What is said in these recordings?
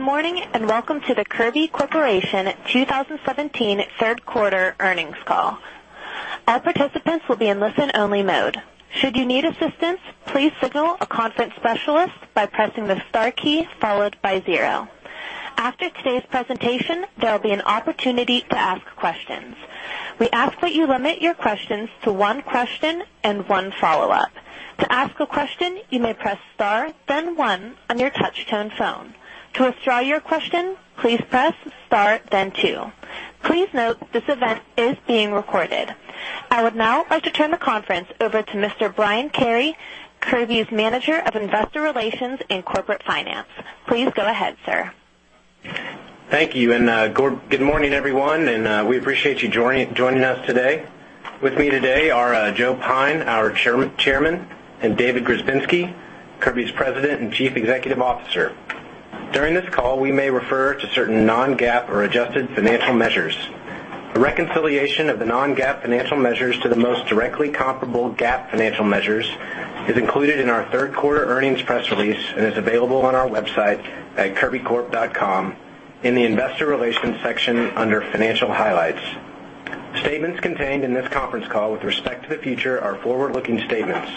Good morning, and welcome to the Kirby Corporation 2017 Third Quarter Earnings Call. All participants will be in listen-only mode. Should you need assistance, please signal a conference specialist by pressing the star key followed by zero. After today's presentation, there will be an opportunity to ask questions. We ask that you limit your questions to one question and one follow-up. To ask a question, you may press star, then One on your touch-tone phone. To withdraw your question, please press star, then two. Please note, this event is being recorded. I would now like to turn the conference over to Mr. Brian Carey, Kirby’s Manager of Investor Relations and Corporate Finance. Please go ahead, sir. Thank you, and good morning, everyone, and we appreciate you joining us today. With me today are Joe Pyne, our Chairman, and David Grzebinski, Kirby's President and Chief Executive Officer. During this call, we may refer to certain non-GAAP or adjusted financial measures. A reconciliation of the non-GAAP financial measures to the most directly comparable GAAP financial measures is included in our third-quarter earnings press release and is available on our website at kirbycorp.com in the Investor Relations section under Financial Highlights. Statements contained in this conference call with respect to the future are forward-looking statements.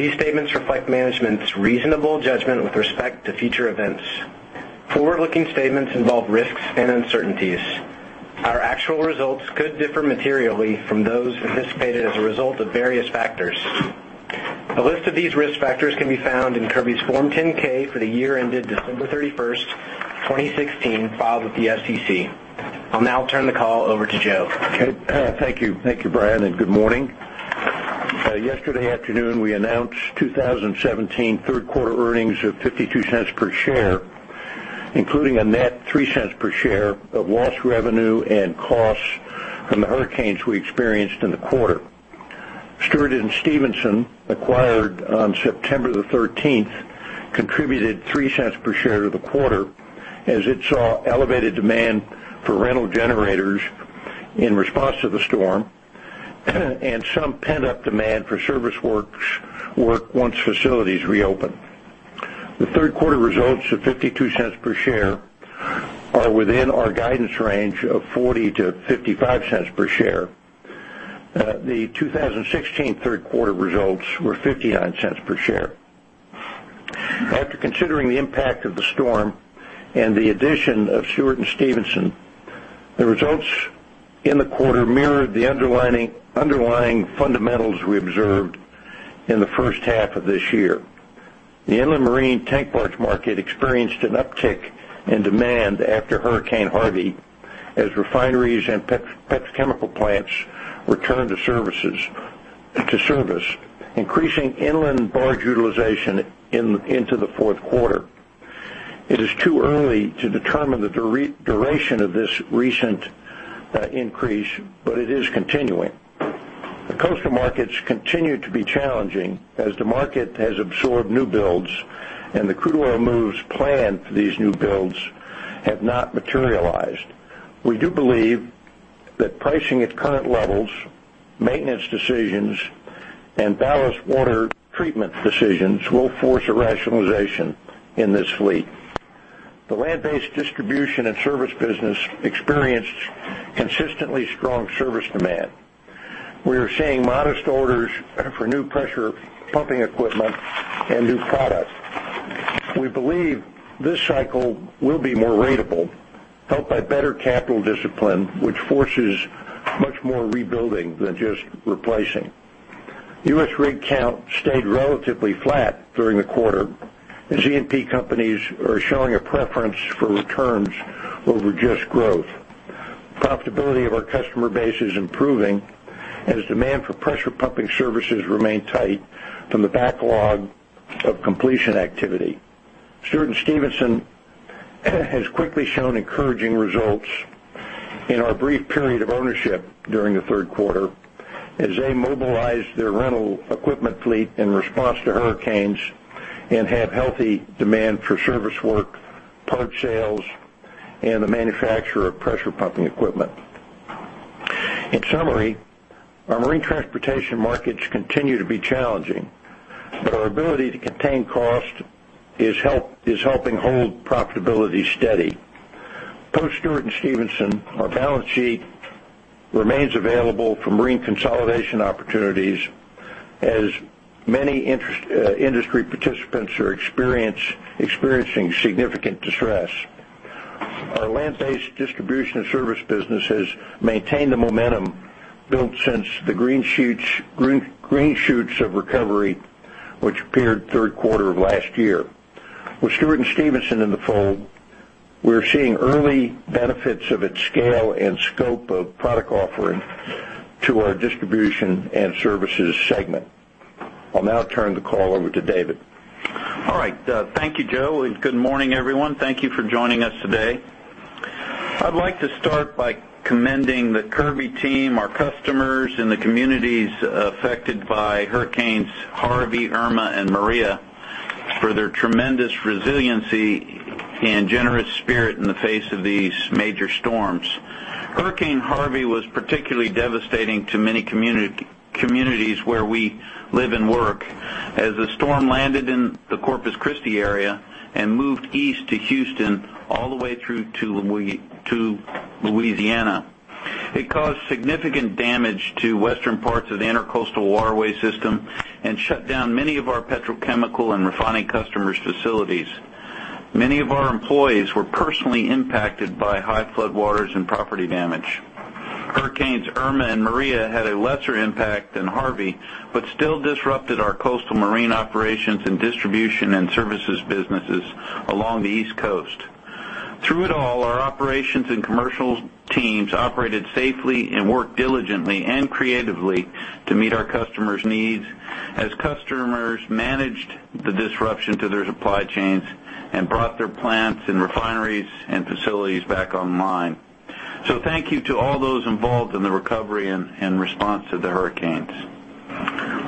These statements reflect management's reasonable judgment with respect to future events. Forward-looking statements involve risks and uncertainties. Our actual results could differ materially from those anticipated as a result of various factors. A list of these risk factors can be found in Kirby's Form 10-K for the year ended December 31, 2016, filed with the SEC. I'll now turn the call over to Joe. Okay, thank you. Thank you, Brian, and good morning. Yesterday afternoon, we announced 2017 third-quarter earnings of $0.52 per share, including a net $0.03 per share of lost revenue and costs from the hurricanes we experienced in the quarter. Stewart & Stevenson, acquired on September 13, contributed $0.03 per share to the quarter as it saw elevated demand for rental generators in response to the storm, and some pent-up demand for service work once facilities reopened. The third quarter results of $0.52 per share are within our guidance range of $0.40-$0.55 per share. The 2016 third-quarter results were $0.59 per share. After considering the impact of the storm and the addition of Stewart & Stevenson, the results in the quarter mirrored the underlying fundamentals we observed in the first half of this year. The inland marine tank barge market experienced an uptick in demand after Hurricane Harvey, as refineries and petrochemical plants returned to service, increasing inland barge utilization into the fourth quarter. It is too early to determine the duration of this recent increase, but it is continuing. The coastal markets continue to be challenging as the market has absorbed new builds, and the crude oil moves planned for these new builds have not materialized. We do believe that pricing at current levels, maintenance decisions, and ballast water treatment decisions will force a rationalization in this fleet. The land-based distribution and service business experienced consistently strong service demand. We are seeing modest orders for new pressure pumping equipment and new products. We believe this cycle will be more ratable, helped by better capital discipline, which forces much more rebuilding than just replacing. U.S. rig count stayed relatively flat during the quarter, as E&P companies are showing a preference for returns over just growth. Profitability of our customer base is improving as demand for pressure pumping services remain tight from the backlog of completion activity. Stewart & Stevenson has quickly shown encouraging results in our brief period of ownership during the third quarter, as they mobilized their rental equipment fleet in response to hurricanes and had healthy demand for service work, parts sales, and the manufacture of pressure pumping equipment. In summary, our marine transportation markets continue to be challenging, but our ability to contain cost is helping hold profitability steady. Post Stewart & Stevenson, our balance sheet remains available for marine consolidation opportunities, as many interested industry participants are experiencing significant distress. Our land-based distribution and service business has maintained the momentum built since the green shoots of recovery, which appeared third quarter of last year. With Stewart & Stevenson in the fold, we're seeing early benefits of its scale and scope of product offering to our distribution and services segment. I'll now turn the call over to David. All right. Thank you, Joe, and good morning, everyone. Thank you for joining us today. I'd like to start by commending the Kirby team, our customers, and the communities affected by hurricanes Harvey, Irma, and Maria, for their tremendous resiliency and generous spirit in the face of these major storms. Hurricane Harvey was particularly devastating to many communities where we live and work, as the storm landed in the Corpus Christi area and moved east to Houston, all the way through to Louisiana. It caused significant damage to western parts of the Intracoastal Waterway system and shut down many of our petrochemical and refining customers' facilities. Many of our employees were personally impacted by high floodwaters and property damage. Hurricanes Irma and Maria had a lesser impact than Harvey, but still disrupted our coastal marine operations and distribution and services businesses along the East Coast. Through it all, our operations and commercial teams operated safely and worked diligently and creatively to meet our customers' needs as customers managed the disruption to their supply chains and brought their plants and refineries and facilities back online. So thank you to all those involved in the recovery and, and response to the hurricanes.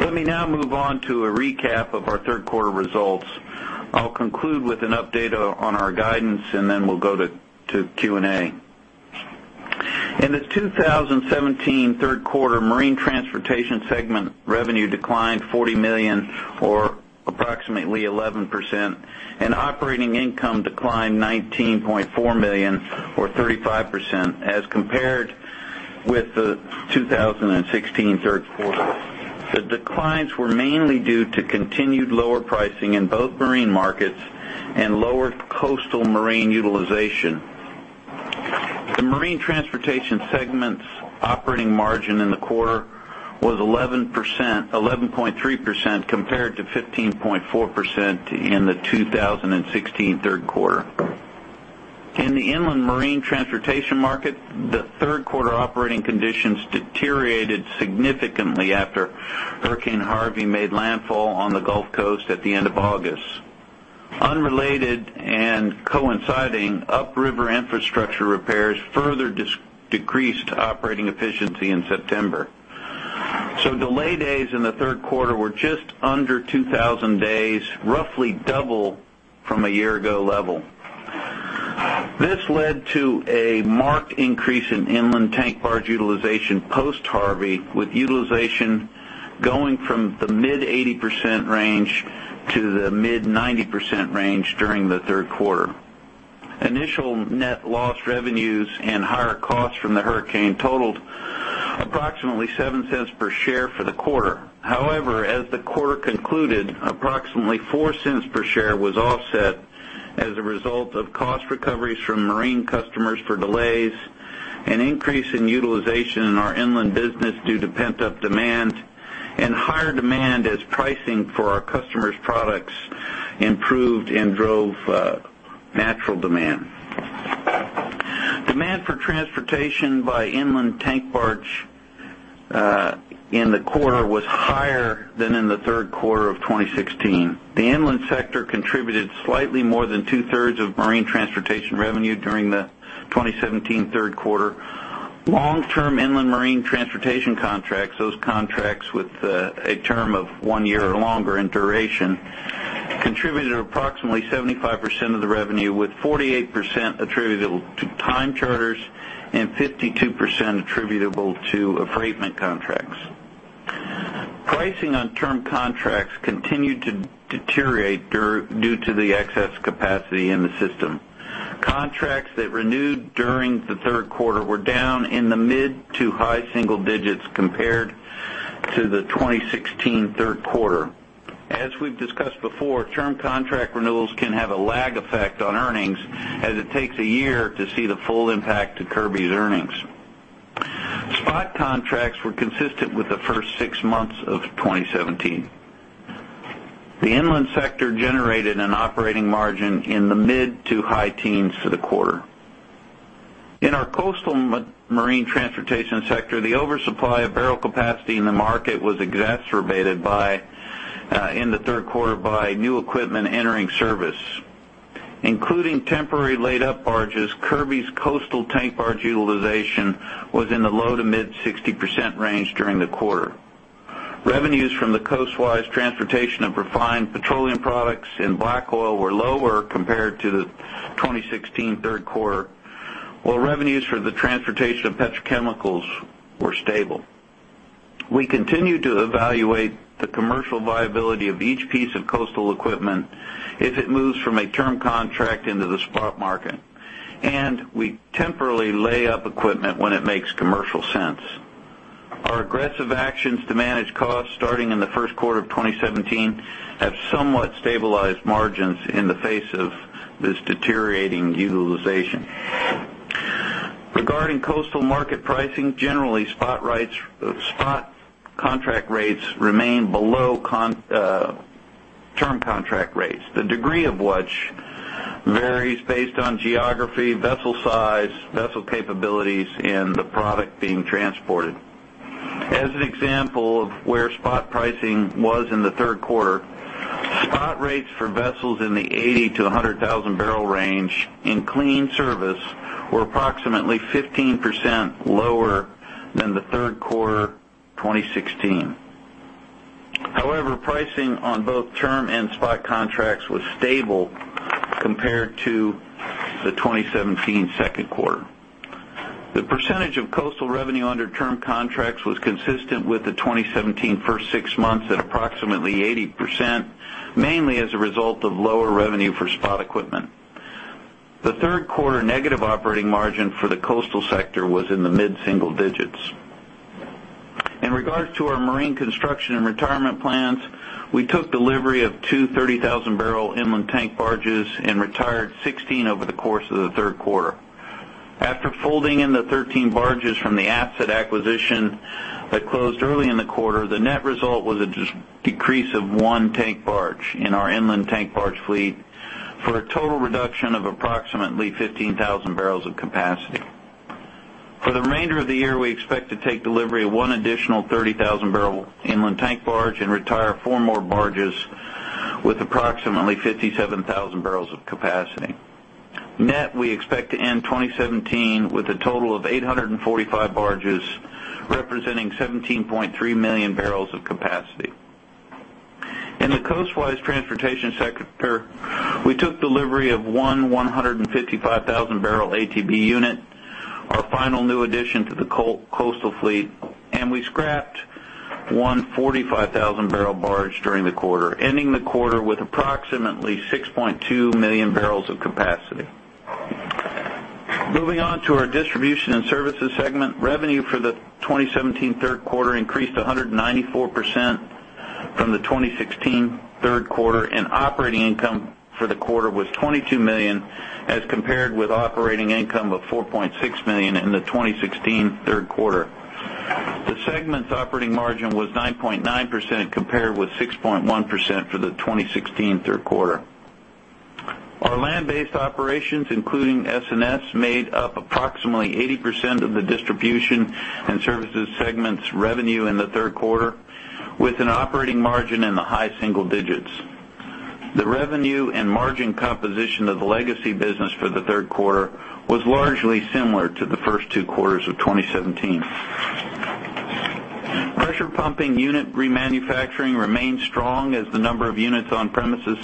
Let me now move on to a recap of our third quarter results. I'll conclude with an update on, on our guidance, and then we'll go to, to Q&A. In the 2017 third quarter, Marine Transportation segment revenue declined $40 million, or approximately 11%, and operating income declined $19.4 million, or 35%, as compared with the 2016 third quarter. The declines were mainly due to continued lower pricing in both marine markets and lower coastal marine utilization. The Marine Transportation segment's operating margin in the quarter was 11%—11.3% compared to 15.4% in the 2016 third quarter. In the inland marine transportation market, the third quarter operating conditions deteriorated significantly after Hurricane Harvey made landfall on the Gulf Coast at the end of August. Unrelated and coinciding, upriver infrastructure repairs further decreased operating efficiency in September. So delay days in the third quarter were just under 2,000 days, roughly double from a year ago level. This led to a marked increase in inland tank barge utilization post-Harvey, with utilization going from the mid-80% range to the mid-90% range during the third quarter. Initial net loss revenues and higher costs from the hurricane totaled approximately $0.07 per share for the quarter. However, as the quarter concluded, approximately $0.04 per share was offset as a result of cost recoveries from marine customers for delays, an increase in utilization in our inland business due to pent-up demand, and higher demand as pricing for our customers' products improved and drove natural demand. Demand for transportation by inland tank barge in the quarter was higher than in the third quarter of 2016. The inland sector contributed slightly more than two-thirds of marine transportation revenue during the 2017 third quarter. Long-term inland marine transportation contracts, those contracts with a term of one year or longer in duration, contributed approximately 75% of the revenue, with 48% attributable to time charters and 52% attributable to affreightment contracts. Pricing on term contracts continued to deteriorate due to the excess capacity in the system. Contracts that renewed during the third quarter were down in the mid- to high single digits compared to the 2016 third quarter. As we've discussed before, term contract renewals can have a lag effect on earnings, as it takes a year to see the full impact to Kirby's earnings. Spot contracts were consistent with the first six months of 2017. The inland sector generated an operating margin in the mid- to high teens for the quarter. In our coastal marine transportation sector, the oversupply of barrel capacity in the market was exacerbated by, in the third quarter, by new equipment entering service. Including temporary laid-up barges, Kirby's coastal tank barge utilization was in the low to mid-60% range during the quarter. Revenues from the coastwise transportation of refined petroleum products and black oil were lower compared to the 2016 third quarter, while revenues for the transportation of petrochemicals were stable. We continue to evaluate the commercial viability of each piece of coastal equipment if it moves from a term contract into the spot market, and we temporarily lay up equipment when it makes commercial sense. Our aggressive actions to manage costs, starting in the first quarter of 2017, have somewhat stabilized margins in the face of this deteriorating utilization. Regarding coastal market pricing, generally, spot contract rates remain below term contract rates, the degree of which varies based on geography, vessel size, vessel capabilities, and the product being transported. As an example of where spot pricing was in the third quarter, spot rates for vessels in the 80- to 100,000-barrel range in clean service were approximately 15% lower than the third quarter 2016. However, pricing on both term and spot contracts was stable compared to the 2017 second quarter. The percentage of coastal revenue under term contracts was consistent with the 2017 first six months at approximately 80%, mainly as a result of lower revenue for spot equipment. The third quarter negative operating margin for the coastal sector was in the mid-single digits. In regards to our marine construction and retirement plans, we took delivery of two 30,000-barrel inland tank barges and retired 16 over the course of the third quarter. After folding in the 13 barges from the asset acquisition that closed early in the quarter, the net result was a decrease of one tank barge in our inland tank barge fleet for a total reduction of approximately 15,000 barrels of capacity. For the remainder of the year, we expect to take delivery of 1 additional 30,000-barrel inland tank barge and retire four more barges with approximately 57,000 barrels of capacity. Net, we expect to end 2017 with a total of 845 barges, representing 17.3 million barrels of capacity. In the coastwise transportation sector, we took delivery of one 155,000-barrel ATB unit, our final new addition to the coastal fleet, and we scrapped 1 45,000-barrel barge during the quarter, ending the quarter with approximately 6.2 million barrels of capacity. Moving on to our distribution and services segment, revenue for the 2017 third quarter increased 194% from the 2016 third quarter, and operating income for the quarter was $22 million, as compared with operating income of $4.6 million in the 2016 third quarter. The segment's operating margin was 9.9%, compared with 6.1% for the 2016 third quarter. Our land-based operations, including S&S, made up approximately 80% of the distribution and services segment's revenue in the third quarter, with an operating margin in the high single digits. The revenue and margin composition of the legacy business for the third quarter was largely similar to the first two quarters of 2017. Pressure pumping unit remanufacturing remained strong as the number of units on premises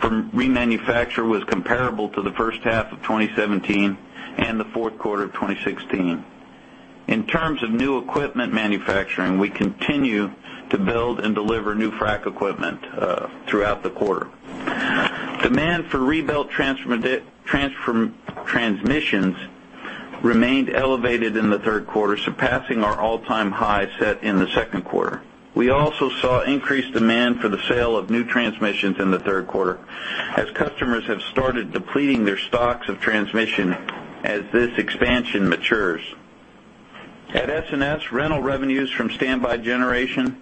for remanufacture was comparable to the first half of 2017 and the fourth quarter of 2016. In terms of new equipment manufacturing, we continue to build and deliver new frac equipment throughout the quarter. Demand for rebuilt transmissions remained elevated in the third quarter, surpassing our all-time high set in the second quarter. We also saw increased demand for the sale of new transmissions in the third quarter, as customers have started depleting their stocks of transmissions as this expansion matures. At S&S, rental revenues from standby generation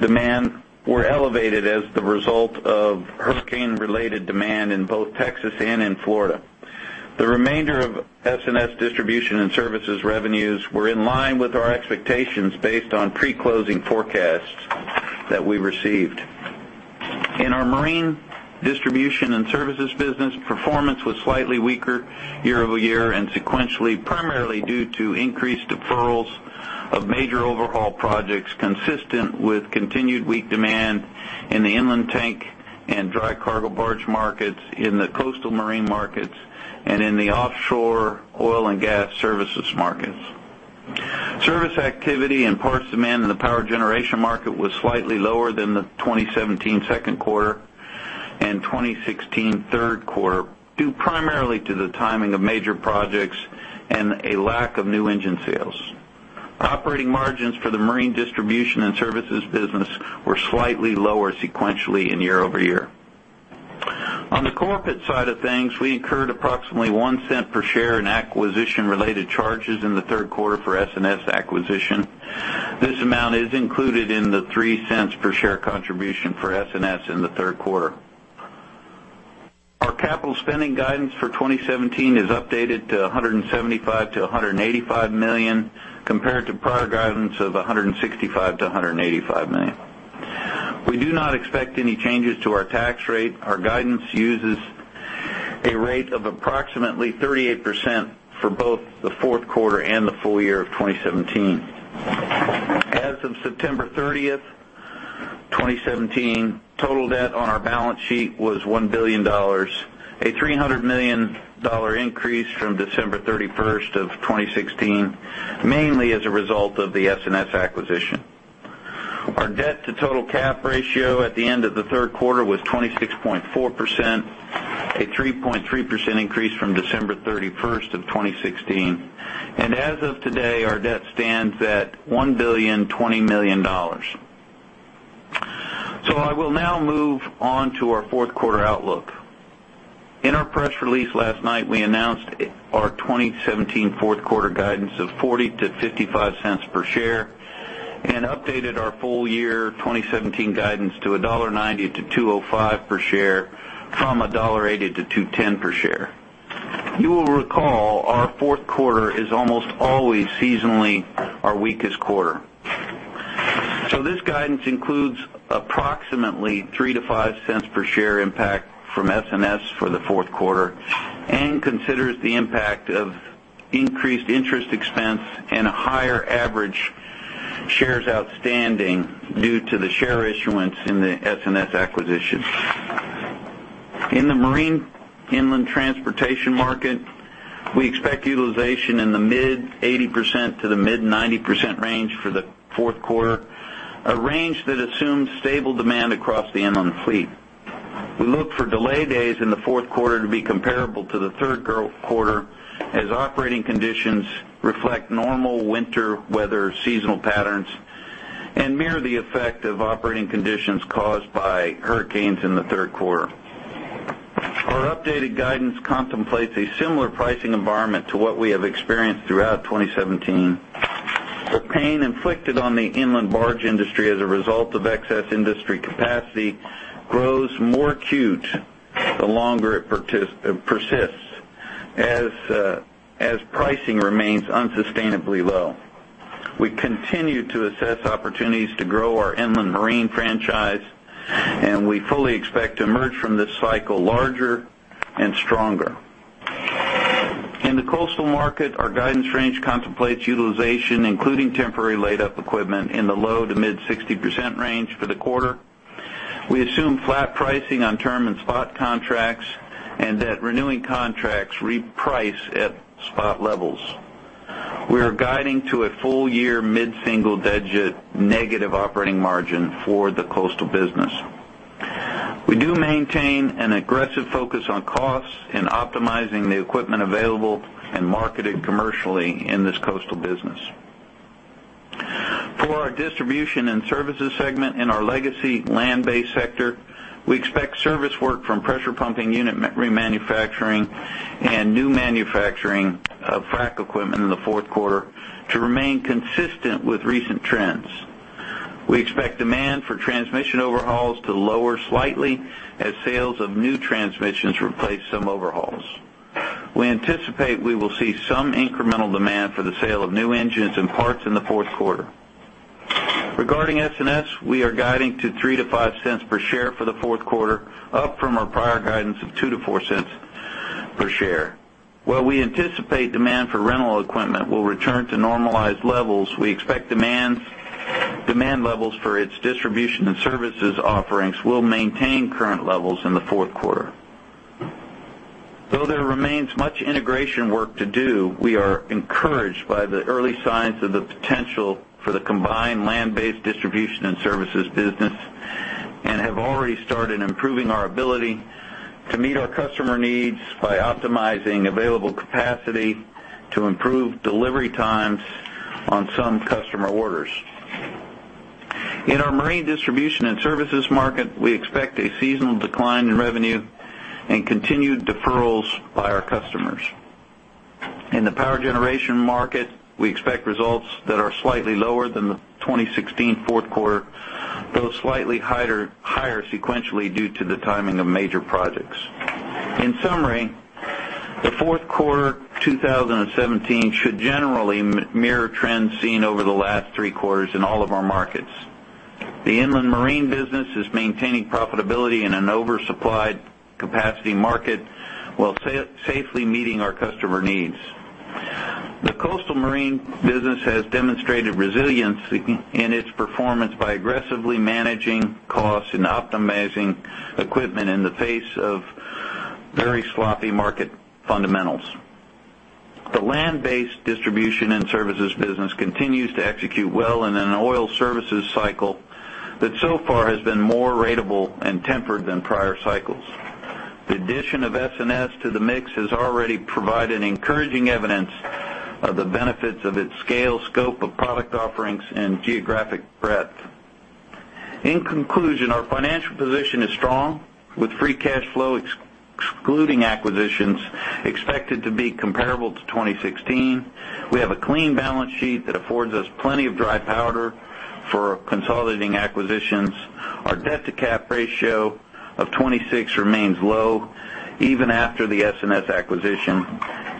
demand were elevated as the result of hurricane-related demand in both Texas and in Florida. The remainder of S&S distribution and services revenues were in line with our expectations based on pre-closing forecasts that we received. In our marine distribution and services business, performance was slightly weaker year-over-year and sequentially, primarily due to increased deferrals of major overhaul projects, consistent with continued weak demand in the inland tank and dry cargo barge markets, in the coastal marine markets, and in the offshore oil and gas services markets. Service activity and parts demand in the power generation market was slightly lower than the 2017 second quarter and 2016 third quarter, due primarily to the timing of major projects and a lack of new engine sales. Operating margins for the marine distribution and services business were slightly lower sequentially and year-over-year. On the corporate side of things, we incurred approximately $0.01 per share in acquisition-related charges in the third quarter for S&S acquisition. This amount is included in the $0.03 per share contribution for S&S in the third quarter. Our capital spending guidance for 2017 is updated to $175 million-$185 million, compared to prior guidance of $165 million-$185 million. We do not expect any changes to our tax rate. Our guidance uses a rate of approximately 38% for both the fourth quarter and the full year of 2017. As of September 30, 2017, total debt on our balance sheet was $1 billion, a $300 million increase from December 31, 2016, mainly as a result of the S&S acquisition. Our debt-to-total cap ratio at the end of the third quarter was 26.4%, a 3.3% increase from December 31, 2016. As of today, our debt stands at $1.02 billion. I will now move on to our fourth quarter outlook. In our press release last night, we announced our 2017 fourth quarter guidance of $0.40-$0.55 per share and updated our full-year 2017 guidance to $1.90-$2.05 per share, from $1.80-$2.10 per share. You will recall our fourth quarter is almost always seasonally our weakest quarter. So this guidance includes approximately $0.03-$0.05 per share impact from S&S for the fourth quarter and considers the impact of increased interest expense and a higher average shares outstanding due to the share issuance in the S&S acquisition. In the marine inland transportation market, we expect utilization in the mid-80% to the mid-90% range for the fourth quarter, a range that assumes stable demand across the inland fleet. We look for delay days in the fourth quarter to be comparable to the third quarter, as operating conditions reflect normal winter weather seasonal patterns and mirror the effect of operating conditions caused by hurricanes in the third quarter. Our updated guidance contemplates a similar pricing environment to what we have experienced throughout 2017. The pain inflicted on the inland barge industry as a result of excess industry capacity grows more acute the longer it persists, as pricing remains unsustainably low. We continue to assess opportunities to grow our inland marine franchise, and we fully expect to emerge from this cycle larger and stronger. In the coastal market, our guidance range contemplates utilization, including temporary laid-up equipment, in the low- to mid-60% range for the quarter. We assume flat pricing on term and spot contracts, and that renewing contracts reprice at spot levels. We are guiding to a full year mid-single digit negative operating margin for the coastal business. We do maintain an aggressive focus on costs and optimizing the equipment available and marketed commercially in this coastal business. For our distribution and services segment in our legacy land-based sector, we expect service work from pressure pumping unit remanufacturing and new manufacturing of frac equipment in the fourth quarter to remain consistent with recent trends. We expect demand for transmission overhauls to lower slightly as sales of new transmissions replace some overhauls. We anticipate we will see some incremental demand for the sale of new engines and parts in the fourth quarter. Regarding S&S, we are guiding to $0.03-$0.05 per share for the fourth quarter, up from our prior guidance of $0.02-$0.04 per share. While we anticipate demand for rental equipment will return to normalized levels, we expect demand levels for its distribution and services offerings will maintain current levels in the fourth quarter. Though there remains much integration work to do, we are encouraged by the early signs of the potential for the combined land-based distribution and services business, and have already started improving our ability to meet our customer needs by optimizing available capacity to improve delivery times on some customer orders. In our marine distribution and services market, we expect a seasonal decline in revenue and continued deferrals by our customers. In the power generation market, we expect results that are slightly lower than the 2016 fourth quarter, though slightly higher sequentially, due to the timing of major projects. In summary, the fourth quarter, 2017, should generally mirror trends seen over the last three quarters in all of our markets. The inland marine business is maintaining profitability in an oversupplied capacity market, while safely meeting our customer needs. The coastal marine business has demonstrated resiliency in its performance by aggressively managing costs and optimizing equipment in the face of very sloppy market fundamentals. The land-based distribution and services business continues to execute well in an oil services cycle that so far has been more ratable and tempered than prior cycles. The addition of S&S to the mix has already provided encouraging evidence of the benefits of its scale, scope of product offerings, and geographic breadth. In conclusion, our financial position is strong, with free cash flow, excluding acquisitions, expected to be comparable to 2016. We have a clean balance sheet that affords us plenty of dry powder for consolidating acquisitions. Our debt-to-cap ratio of 26 remains low even after the S&S acquisition,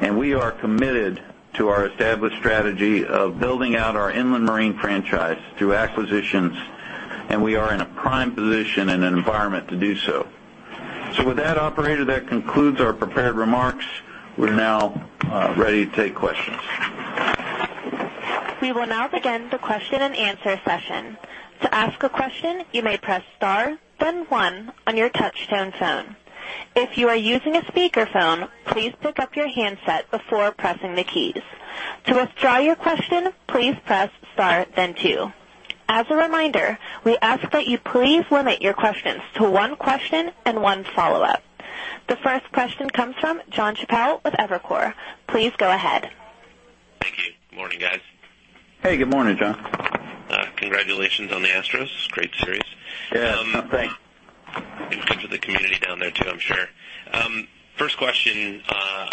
and we are committed to our established strategy of building out our inland marine franchise through acquisitions, and we are in a prime position and environment to do so. So with that, operator, that concludes our prepared remarks. We're now ready to take questions. We will now begin the question and answer session. To ask a question, you may press star, then one on your touchtone phone. If you are using a speakerphone, please pick up your handset before pressing the keys. To withdraw your question, please press star, then two. As a reminder, we ask that you please limit your questions to one question and one follow-up. The first question comes from Jon Chappell with Evercore. Please go ahead. Thank you. Good morning, guys. Hey, good morning, Jon. Congratulations on the Astros. Great series. Yeah, thanks. In terms of the community down there, too, I'm sure. First question,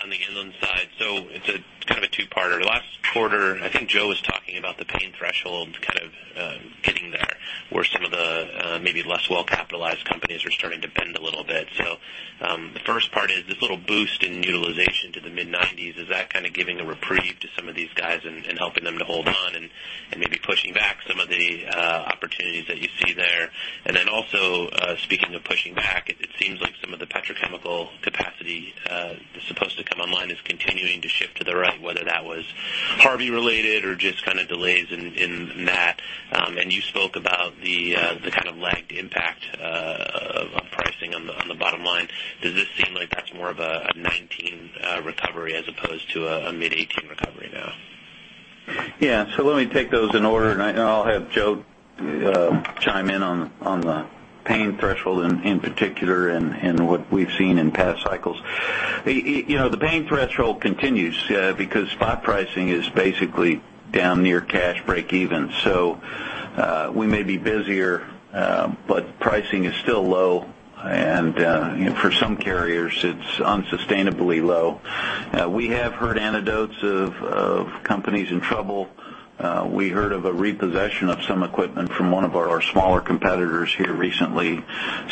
on the inland side, so it's a kind of a two-parter. Last quarter, I think Joe was talking about the pain threshold kind of, getting there, where some of the, maybe less well-capitalized companies are starting to bend a little bit. So, the first part is this little boost in utilization to the mid-90s, is that kind of giving a reprieve to some of these guys and, and helping them to hold on and, and maybe pushing back some of the, opportunities that you see there? And then also, speaking of pushing back, petrochemical capacity supposed to come online is continuing to shift to the right, whether that was Harvey-related or just kind of delays in that. And you spoke about the kind of lagged impact of pricing on the bottom line. Does this seem like that's more of a 2019 recovery as opposed to a mid-2018 recovery now? Yeah, so let me take those in order, and I, and I'll have Joe chime in on the pain threshold in particular, and what we've seen in past cycles. It, you know, the pain threshold continues because spot pricing is basically down near cash breakeven. So, we may be busier, but pricing is still low, and, you know, for some carriers, it's unsustainably low. We have heard anecdotes of companies in trouble. We heard of a repossession of some equipment from one of our smaller competitors here recently.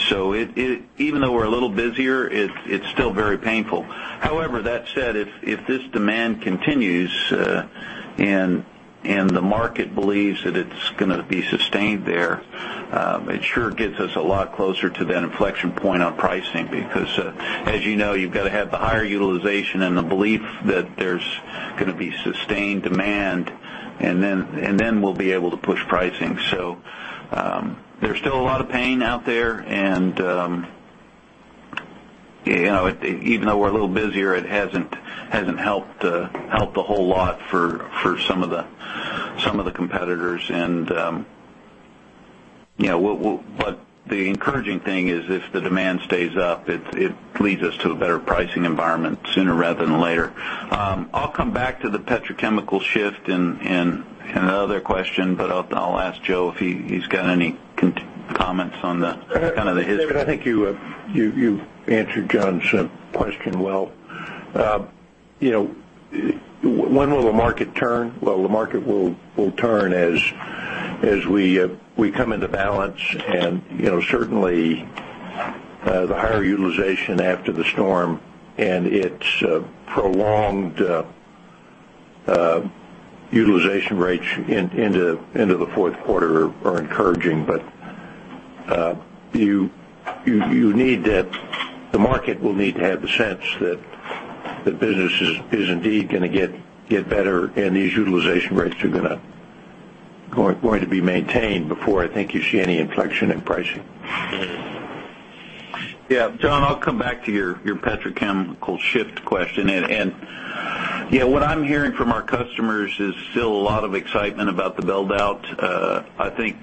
So, it even though we're a little busier, it's still very painful. However, that said, if this demand continues, and the market believes that it's gonna be sustained there, it sure gets us a lot closer to that inflection point on pricing. Because, as you know, you've got to have the higher utilization and the belief that there's gonna be sustained demand, and then we'll be able to push pricing. So, there's still a lot of pain out there, and, you know, even though we're a little busier, it hasn't helped a whole lot for some of the competitors. And, you know, but the encouraging thing is, if the demand stays up, it leads us to a better pricing environment sooner rather than later. I'll come back to the petrochemical shift in another question, but I'll ask Joe if he's got any comments on the, kind of the his- David, I think you answered Jon's question well. You know, when will the market turn? Well, the market will turn as we come into balance and, you know, certainly, the higher utilization after the storm and its prolonged utilization rates into the fourth quarter are encouraging. But you need that the market will need to have the sense that the business is indeed gonna get better, and these utilization rates are gonna be maintained before I think you see any inflection in pricing. Yeah, John, I'll come back to your petrochemical shift question. Yeah, what I'm hearing from our customers is still a lot of excitement about the build-out. I think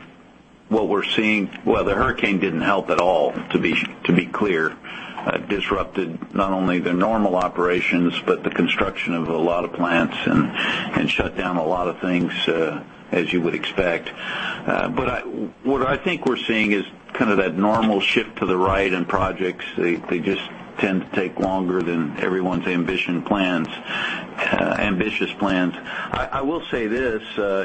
what we're seeing... Well, the hurricane didn't help at all, to be clear, disrupted not only the normal operations, but the construction of a lot of plants and shut down a lot of things, as you would expect. But what I think we're seeing is kind of that normal shift to the right in projects. They just tend to take longer than everyone's ambitious plans. I will say this,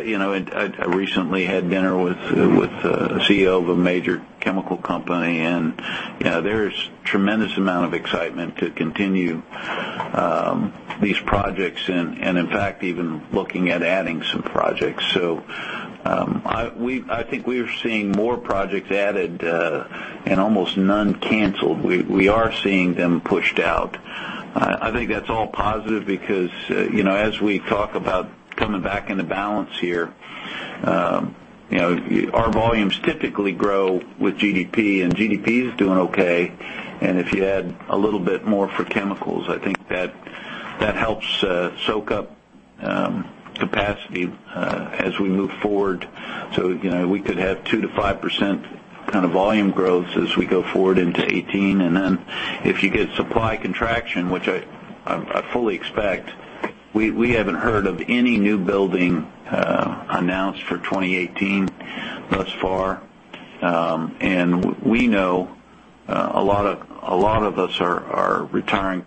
you know, I recently had dinner with the CEO of a major chemical company, and, you know, there's tremendous amount of excitement to continue these projects and, in fact, even looking at adding some projects. So, I think we're seeing more projects added, and almost none canceled. We are seeing them pushed out. I think that's all positive because, you know, as we talk about coming back into balance here, you know, our volumes typically grow with GDP, and GDP is doing okay. And if you add a little bit more for chemicals, I think that helps soak up capacity as we move forward. So, you know, we could have 2%-5% kind of volume growth as we go forward into 2018. Then, if you get supply contraction, which I fully expect, we haven't heard of any new building announced for 2018 thus far. And we know a lot of us are retiring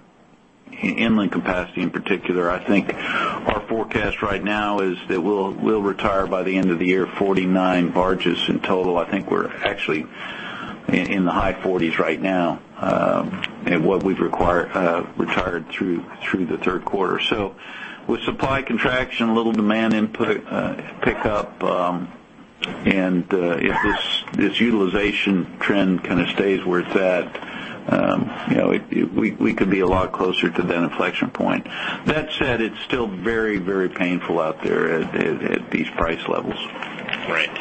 inland capacity in particular. I think our forecast right now is that we'll retire by the end of the year 49 barges in total. I think we're actually in the high 40s right now, and what we've retired through the third quarter. So with supply contraction, a little demand input pick up, and if this utilization trend kind of stays where it's at, you know, we could be a lot closer to that inflection point. That said, it's still very, very painful out there at these price levels. Right.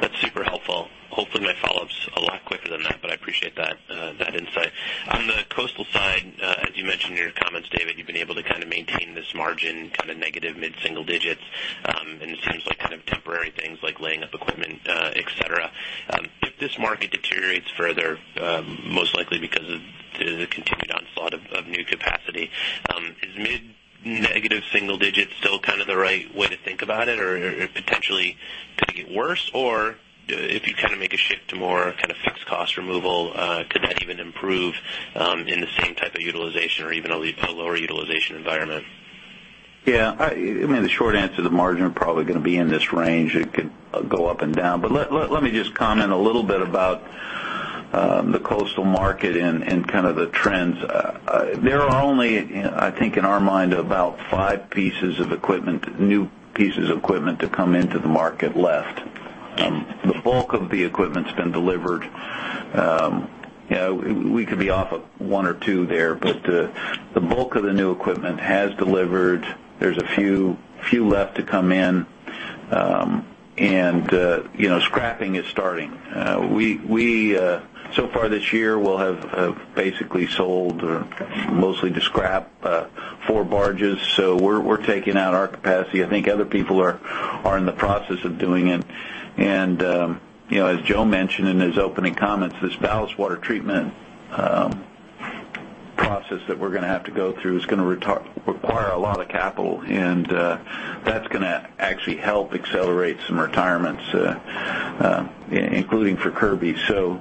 That's super helpful. Hopefully, my follow-up's a lot quicker than that, but I appreciate that, that insight. On the coastal side, as you mentioned in your comments, David, you've been able to kind of maintain this margin, kind of negative mid-single digits. And it seems like kind of temporary things like laying up equipment, et cetera. If this market deteriorates further, most likely because of the continued onslaught of new capacity, is mid-negative single digits still kind of the right way to think about it, or potentially could it get worse? Or if you kind of make a shift to more kind of fixed cost removal, could that even improve, in the same type of utilization or even a lower utilization environment? Yeah, I mean, the short answer, the margin are probably gonna be in this range. It could go up and down. But let me just comment a little bit about the coastal market and kind of the trends. There are only, I think, in our mind, about five pieces of equipment, new pieces of equipment to come into the market left. The bulk of the equipment's been delivered. You know, we could be off of one or there, but the bulk of the new equipment has delivered. There's a few left to come in. And you know, scrapping is starting. So far this year, we'll have basically sold, or mostly to scrap, four barges. So we're taking out our capacity. I think other people are in the process of doing it. And, you know, as Joe mentioned in his opening comments, this ballast water treatment process that we're going to have to go through is going to require a lot of capital, and that's going to actually help accelerate some retirements, including for Kirby. So,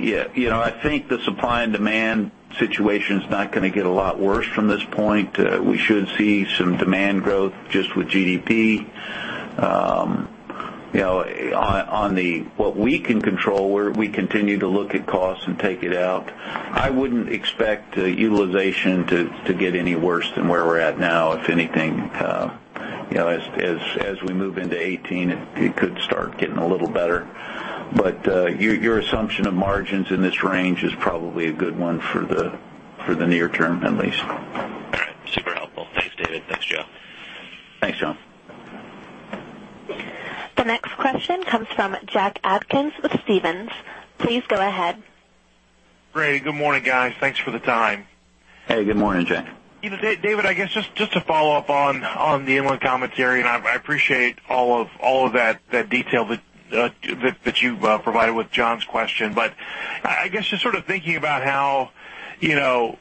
yeah, you know, I think the supply and demand situation is not going to get a lot worse from this point. We should see some demand growth just with GDP. You know, on what we can control, we continue to look at costs and take it out. I wouldn't expect utilization to get any worse than where we're at now. If anything, you know, as we move into 2018, it could start getting a little better. But, your assumption of margins in this range is probably a good one for the near term, at least. All right. Super helpful. Thanks, David. Thanks, Joe. Thanks, Jon. The next question comes from Jack Atkins with Stephens. Please go ahead. Great. Good morning, guys. Thanks for the time. Hey, good morning, Jack. You know, David, I guess just to follow up on the inland commentary, and I appreciate all of that detail that you provided with John's question. But I guess just sort of thinking about how, you know,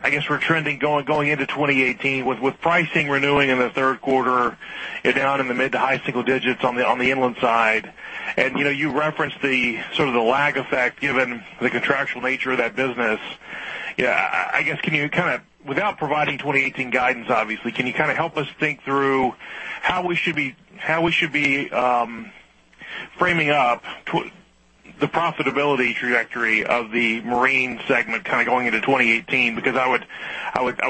I guess we're trending going into 2018, with pricing renewing in the third quarter and down in the mid- to high-single digits on the inland side. And you know, you referenced the sort of lag effect given the contractual nature of that business. Yeah, I guess can you kind of, without providing 2018 guidance, obviously, can you kind of help us think through how we should be framing up the profitability trajectory of the marine segment kind of going into 2018? Because I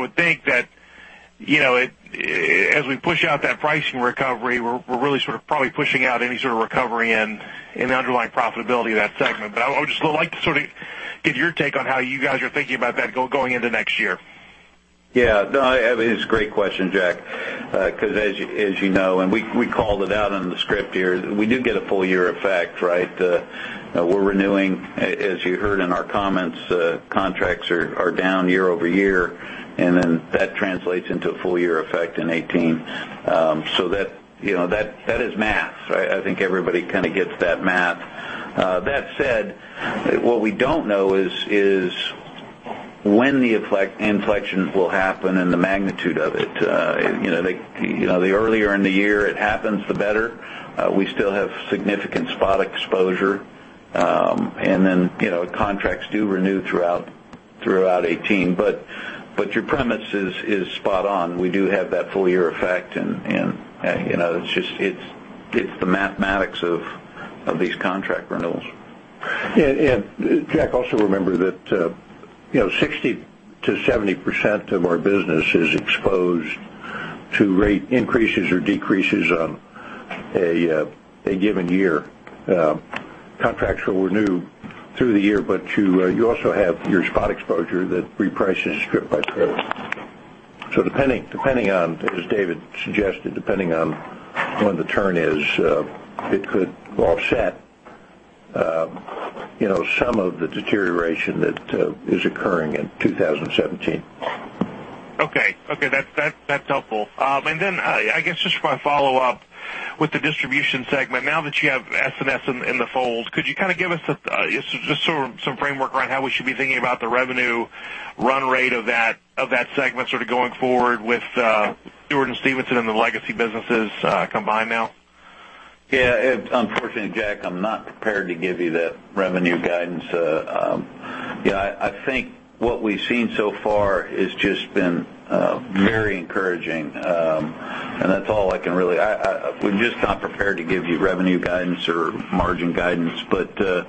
would think that, you know, it, as we push out that pricing recovery, we're really sort of probably pushing out any sort of recovery in the underlying profitability of that segment. But I would just like to sort of get your take on how you guys are thinking about that going into next year. Yeah, no, it's a great question, Jack, because as you, as you know, and we, we called it out on the script here, we do get a full year effect, right? We're renewing, as you heard in our comments, contracts are down year-over-year, and then that translates into a full year effect in 2018. So that, you know, that, that is math, right? I think everybody kind of gets that math. That said, what we don't know is when the inflection will happen and the magnitude of it. You know, the, you know, the earlier in the year it happens, the better. We still have significant spot exposure, and then, you know, contracts do renew throughout 2018. But your premise is spot on. We do have that full year effect, and, you know, it's just the mathematics of these contract renewals. Yeah, and, Jack, also remember that, you know, 60%-70% of our business is exposed to rate increases or decreases on a given year. Contracts will renew through the year, but you also have your spot exposure that reprices strip by strip. So depending on, as David suggested, depending on when the turn is, it could offset, you know, some of the deterioration that is occurring in 2017. Okay. Okay, that's helpful. And then, I guess, just want to follow up with the distribution segment. Now that you have S&S in the fold, could you kind of give us a just sort of some framework around how we should be thinking about the revenue run rate of that segment, sort of going forward with Stewart & Stevenson and the legacy businesses combined now? Yeah, unfortunately, Jack, I'm not prepared to give you that revenue guidance. Yeah, I think what we've seen so far has just been very encouraging. And that's all I can really... We're just not prepared to give you revenue guidance or margin guidance, but the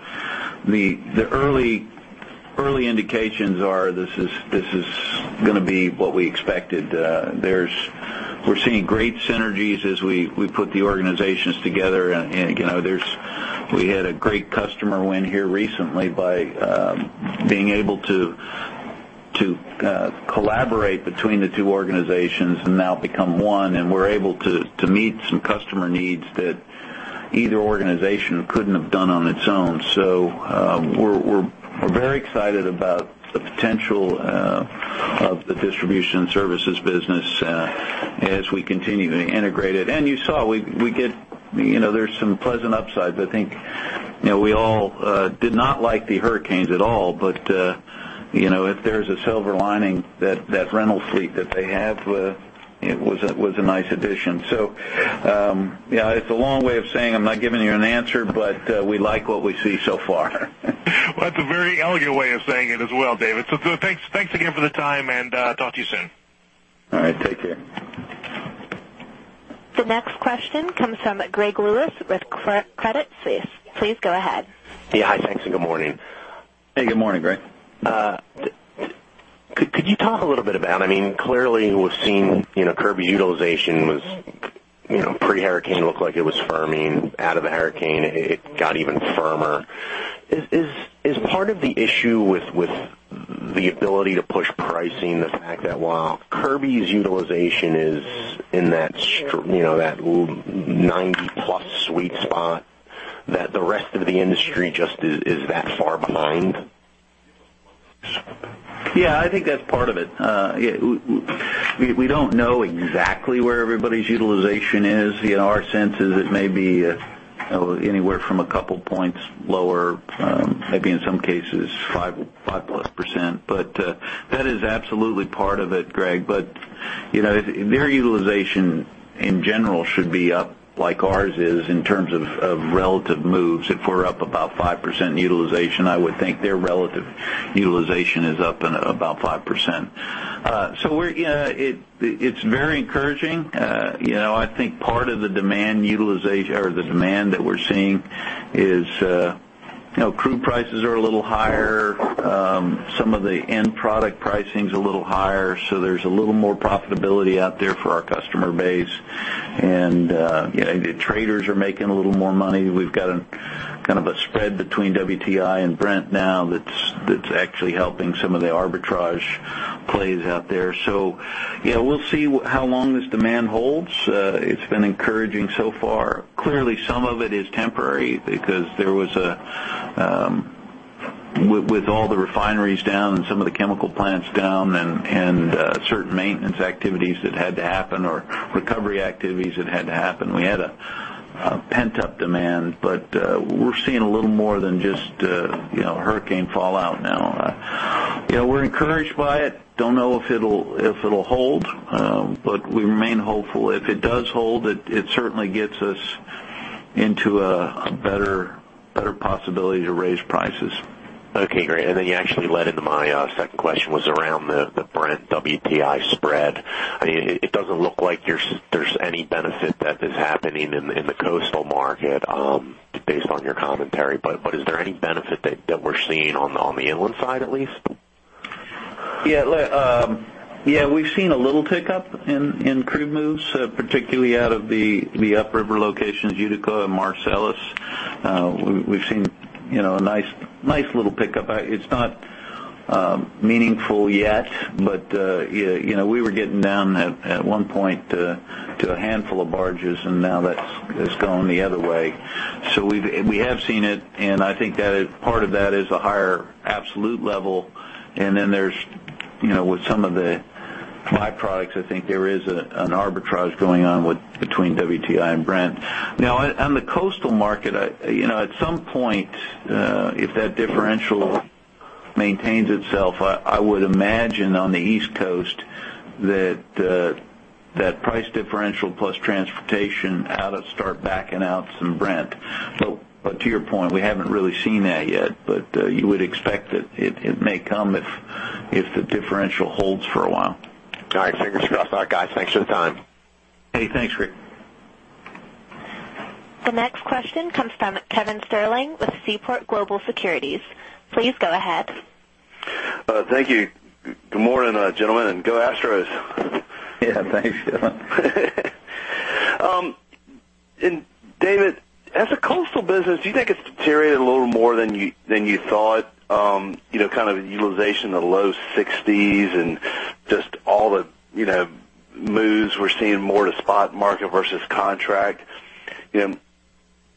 early indications are this is going to be what we expected. We're seeing great synergies as we put the organizations together, and you know, we had a great customer win here recently by being able to collaborate between the two organizations and now become one, and we're able to meet some customer needs that either organization couldn't have done on its own. So, we're very excited about the potential of the distribution services business as we continue to integrate it. And you saw, we get, you know, there's some pleasant upsides. I think, you know, we all did not like the hurricanes at all, but, you know, if there's a silver lining, that rental fleet that they have, it was a nice addition. So, yeah, it's a long way of saying I'm not giving you an answer, but we like what we see so far. Well, that's a very elegant way of saying it as well, David. So, thanks again for the time, and talk to you soon. All right. Take care.... The next question comes from Greg Lewis with Credit Suisse. Please go ahead. Yeah. Hi, thanks, and good morning. Hey, good morning, Greg. Could you talk a little bit about, I mean, clearly, we've seen, you know, Kirby utilization was, you know, pre-hurricane, looked like it was firming. Out of the hurricane, it got even firmer. Is part of the issue with the ability to push pricing the fact that while Kirby's utilization is in that, you know, that ninety-plus sweet spot, that the rest of the industry just is that far behind? Yeah, I think that's part of it. Yeah, we don't know exactly where everybody's utilization is. You know, our sense is it may be anywhere from a couple points lower, maybe in some cases, 5%, 5+%. But that is absolutely part of it, Greg. But, you know, their utilization, in general, should be up like ours is in terms of relative moves. If we're up about 5% utilization, I would think their relative utilization is up in about 5%. So we're, you know, it's very encouraging. You know, I think part of the demand or the demand that we're seeing is, you know, crude prices are a little higher. Some of the end product pricing's a little higher, so there's a little more profitability out there for our customer base. You know, the traders are making a little more money. We've got a kind of a spread between WTI and Brent now that's actually helping some of the arbitrage plays out there. So, you know, we'll see how long this demand holds. It's been encouraging so far. Clearly, some of it is temporary because there was, with all the refineries down and some of the chemical plants down and, certain maintenance activities that had to happen, or recovery activities that had to happen, we had a pent-up demand. But, we're seeing a little more than just, you know, hurricane fallout now. You know, we're encouraged by it. Don't know if it'll hold, but we remain hopeful. If it does hold, it certainly gets us into a better possibility to raise prices. Okay, great. And then you actually led into my second question, which was around the Brent WTI spread. I mean, it doesn't look like there's any benefit that is happening in the coastal market, based on your commentary. But is there any benefit that we're seeing on the inland side, at least? Yeah, yeah, we've seen a little tick-up in crude moves, particularly out of the upriver locations, Utica and Marcellus. We've seen, you know, a nice little pick-up. It's not meaningful yet, but yeah, you know, we were getting down at one point to a handful of barges, and now that's going the other way. So we've seen it, and I think that is part of that is a higher absolute level. And then there's, you know, with some of the byproducts, I think there is an arbitrage going on between WTI and Brent. Now, on the coastal market, you know, at some point, if that differential maintains itself, I would imagine on the East Coast that that price differential plus transportation out of start backing out some Brent. But to your point, we haven't really seen that yet, but you would expect that it may come if the differential holds for a while. All right. Fingers crossed. All right, guys. Thanks for the time. Hey, thanks, Greg. The next question comes from Kevin Sterling with Seaport Global Securities. Please go ahead. Thank you. Good morning, gentlemen, and go Astros! Yeah, thanks, Kevin. And David, as a coastal business, do you think it's deteriorated a little more than you thought? You know, kind of utilization in the low 60s and just all the, you know, moves we're seeing more to spot market versus contract. You know,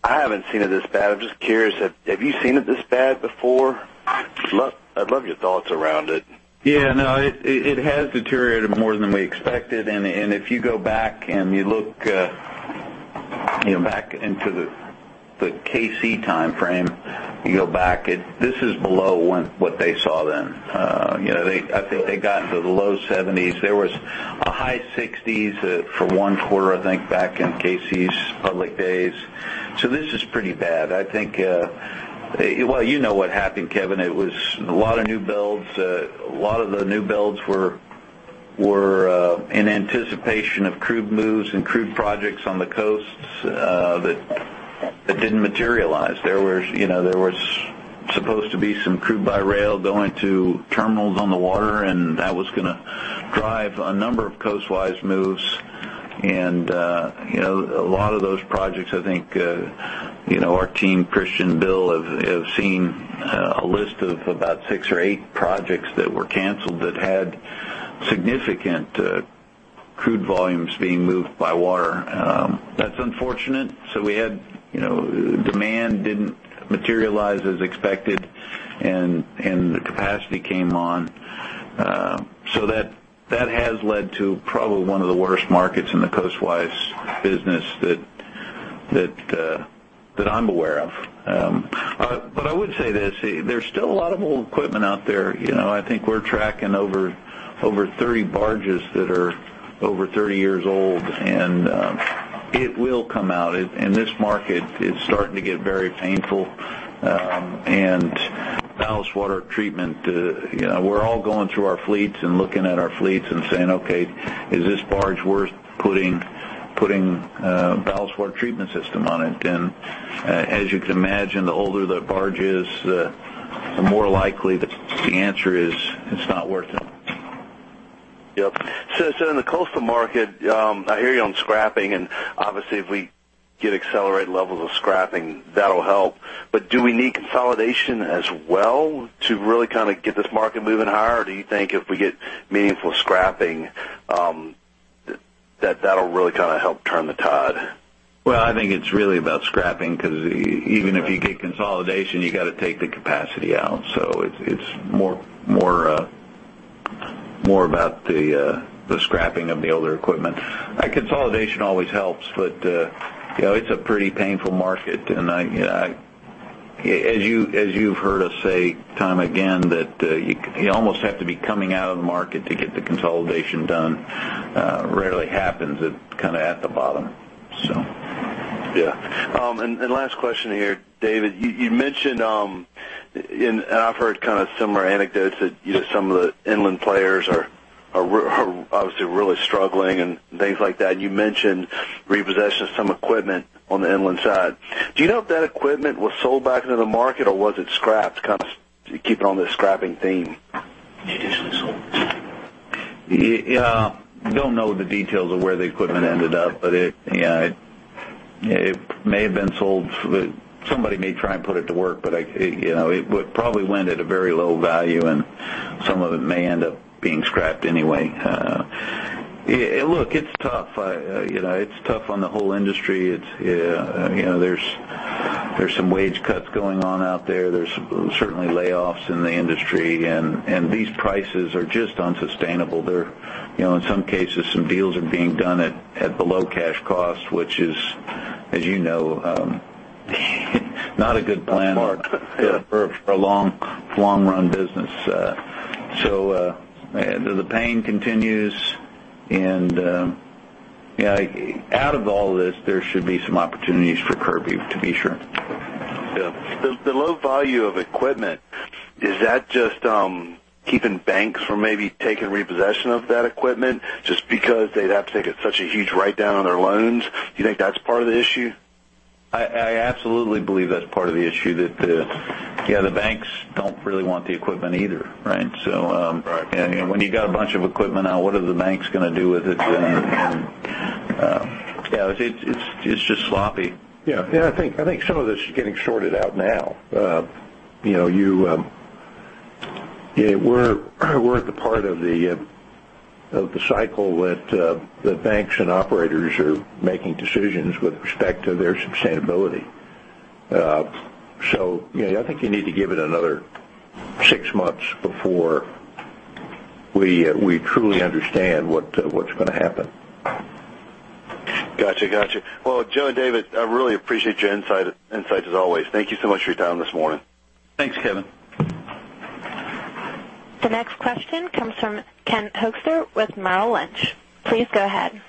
I haven't seen it this bad. I'm just curious, have you seen it this bad before? I'd love your thoughts around it. Yeah, no, it has deteriorated more than we expected. And if you go back and you look, you know, back into the K-Sea timeframe, you go back, this is below what they saw then. You know, I think they got into the low 70s. There was a high 60s for one quarter, I think, back in K-Sea's public days. So this is pretty bad. I think, well, you know what happened, Kevin. It was a lot of new builds. A lot of the new builds were in anticipation of crude moves and crude projects on the coasts that didn't materialize. There was, you know, there was supposed to be some crude by rail going to terminals on the water, and that was gonna drive a number of coastwise moves. You know, a lot of those projects, I think, you know, our team, Christian, Bill, have seen a list of about six or eight projects that were canceled that had significant crude volumes being moved by water. That's unfortunate. So we had, you know, demand didn't materialize as expected, and the capacity came on. So that has led to probably one of the worst markets in the coastwise business that I'm aware of. But I would say this: there's still a lot of old equipment out there. You know, I think we're tracking over 30 barges that are over 30 years old, and it will come out. In this market, it's starting to get very painful. And ballast water treatment. You know, we're all going through our fleets and looking at our fleets and saying, "Okay, is this barge worth putting ballast water treatment system on it?" And as you can imagine, the older the barge is, the more likely that the answer is, it's not worth it. Yep. So, so in the coastal market, I hear you on scrapping, and obviously, if we get accelerated levels of scrapping, that'll help. But do we need consolidation as well to really kind of get this market moving higher? Or do you think if we get meaningful scrapping, that that'll really kind of help turn the tide? Well, I think it's really about scrapping, 'cause even if you get consolidation, you gotta take the capacity out, so it's more about the scrapping of the older equipment. Consolidation always helps, but you know, it's a pretty painful market, and... As you've heard us say time and again, you almost have to be coming out of the market to get the consolidation done. Rarely happens it kind of at the bottom, so. Yeah. And last question here, David. You mentioned, and I've heard kind of similar anecdotes, that you know some of the inland players are obviously really struggling and things like that. You mentioned repossession of some equipment on the inland side. Do you know if that equipment was sold back into the market, or was it scrapped? Kind of keeping on this scrapping theme. Additionally sold. Yeah, don't know the details of where the equipment ended up, but yeah, it may have been sold. Somebody may try and put it to work, but I, you know, it would probably lend at a very low value, and some of it may end up being scrapped anyway. Yeah, look, it's tough. You know, it's tough on the whole industry. It's, you know, there's some wage cuts going on out there. There's certainly layoffs in the industry, and these prices are just unsustainable. They're, you know, in some cases, some deals are being done at below cash cost, which is, as you know, not a good plan. Yeah, for a long, long run business. So, the pain continues, and yeah, out of all this, there should be some opportunities for Kirby, to be sure. Yeah. The low value of equipment, is that just keeping banks from maybe taking repossession of that equipment, just because they'd have to take such a huge write-down on their loans? Do you think that's part of the issue? I, I absolutely believe that's part of the issue, that the, yeah, the banks don't really want the equipment either, right? So. Right. You know, when you got a bunch of equipment out, what are the banks gonna do with it then? Yeah, it's, it's just sloppy. Yeah. Yeah, I think, I think some of this is getting shorted out now. You know, you, yeah, we're, we're at the part of the cycle that the banks and operators are making decisions with respect to their sustainability. So, yeah, I think you need to give it another six months before we, we truly understand what's gonna happen. Gotcha. Gotcha. Well, Joe and David, I really appreciate your insight, insights, as always. Thank you so much for your time this morning. Thanks, Kevin. The next question comes from Ken Hoexter with Merrill Lynch. Please go ahead.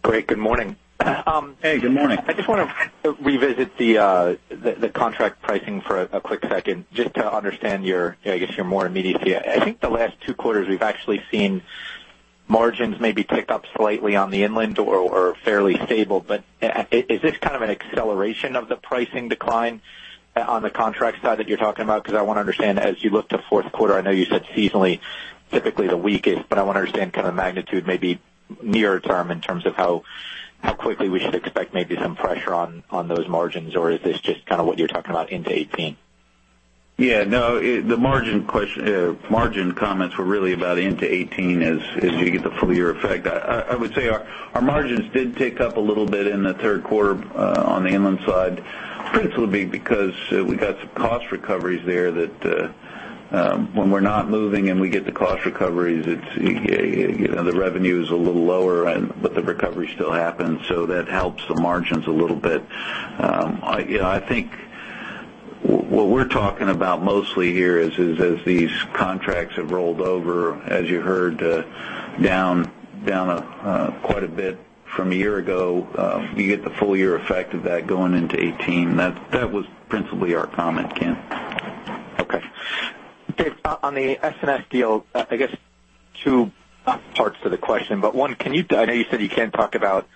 Great. Good morning. Hey, good morning. I just want to revisit the, the contract pricing for a quick second, just to understand your, I guess, your more immediate view. I think the last two quarters, we've actually seen margins maybe tick up slightly on the inland or fairly stable. But is this kind of an acceleration of the pricing decline on the contract side that you're talking about? Because I want to understand, as you look to fourth quarter, I know you said seasonally, typically the weakest, but I want to understand kind of magnitude, maybe near term, in terms of how quickly we should expect maybe some pressure on those margins, or is this just kind of what you're talking about into 2018? Yeah, no, the margin comments were really about into 2018 as you get the full year effect. I would say our margins did tick up a little bit in the third quarter on the inland side, principally because we got some cost recoveries there, that when we're not moving and we get the cost recoveries, it's, you know, the revenue is a little lower, and but the recovery still happens, so that helps the margins a little bit. I think what we're talking about mostly here is as these contracts have rolled over, as you heard, down quite a bit from a year ago, you get the full year effect of that going into 2018. That was principally our comment, Ken. Okay. Dave, on the S&S deal, I guess two parts to the question, but one, can you... I know you said you can't talk about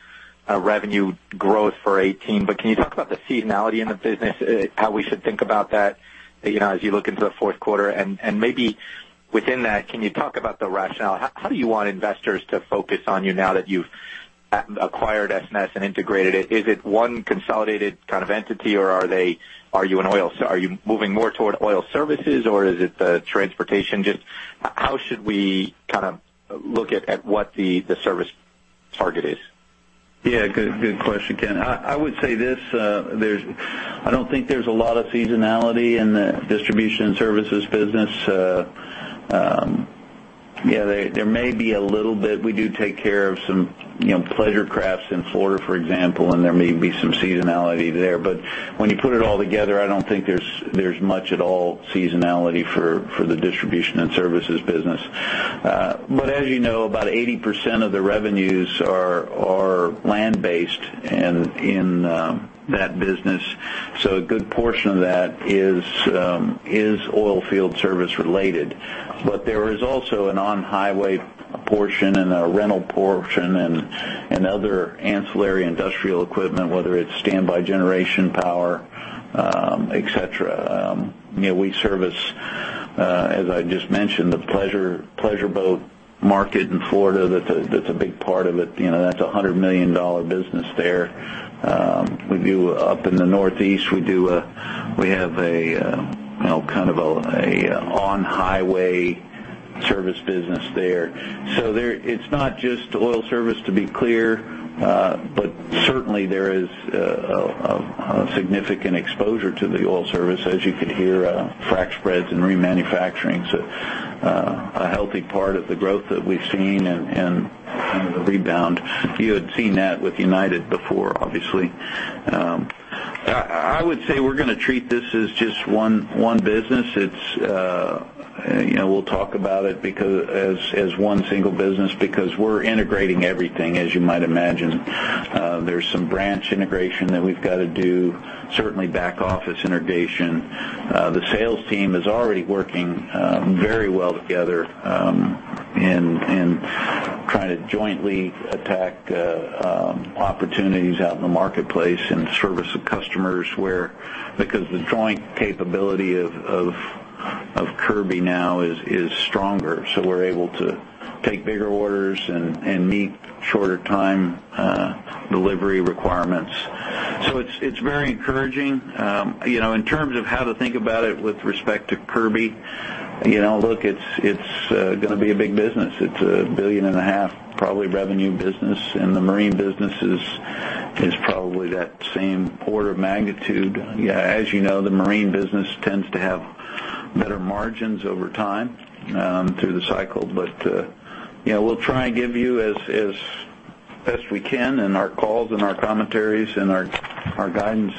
revenue growth for 2018, but can you talk about the seasonality in the business, how we should think about that, you know, as you look into the fourth quarter? And maybe within that, can you talk about the rationale? How do you want investors to focus on you now that you've acquired S&S and integrated it? Is it one consolidated kind of entity, or are you in oil? So are you moving more toward oil services, or is it the transportation? Just how should we kind of look at what the service target is? Yeah, good question, Ken. I would say this. I don't think there's a lot of seasonality in the distribution services business. Yeah, there may be a little bit. We do take care of some, you know, pleasure crafts in Florida, for example, and there may be some seasonality there. But when you put it all together, I don't think there's much at all seasonality for the distribution and services business. But as you know, about 80% of the revenues are land-based and in that business. So a good portion of that is oil field service related. But there is also an on-highway portion and a rental portion and other ancillary industrial equipment, whether it's standby generation, power, et cetera. You know, we service, as I just mentioned, the pleasure boat market in Florida. That's a big part of it. You know, that's a $100 million business there. We do up in the Northeast. We have a, you know, kind of a on-highway service business there. So there, it's not just oil service, to be clear, but certainly there is a significant exposure to the oil service, as you could hear, frac spreads and remanufacturing. So, a healthy part of the growth that we've seen and kind of the rebound. You had seen that with United before, obviously. I would say we're gonna treat this as just one business. It's, you know, we'll talk about it because as one single business, because we're integrating everything, as you might imagine. There's some branch integration that we've got to do, certainly back office integration. The sales team is already working very well together in trying to jointly attack opportunities out in the marketplace and service the customers where, because the joint capability of Kirby now is stronger. So we're able to take bigger orders and meet shorter time delivery requirements. So it's very encouraging. You know, in terms of how to think about it with respect to Kirby, you know, look, it's gonna be a big business. It's a $1.5 billion, probably, revenue business, and the marine business is probably that same order of magnitude. As you know, the marine business tends to have better margins over time, through the cycle. But, you know, we'll try and give you as best we can in our calls and our commentaries and our guidance,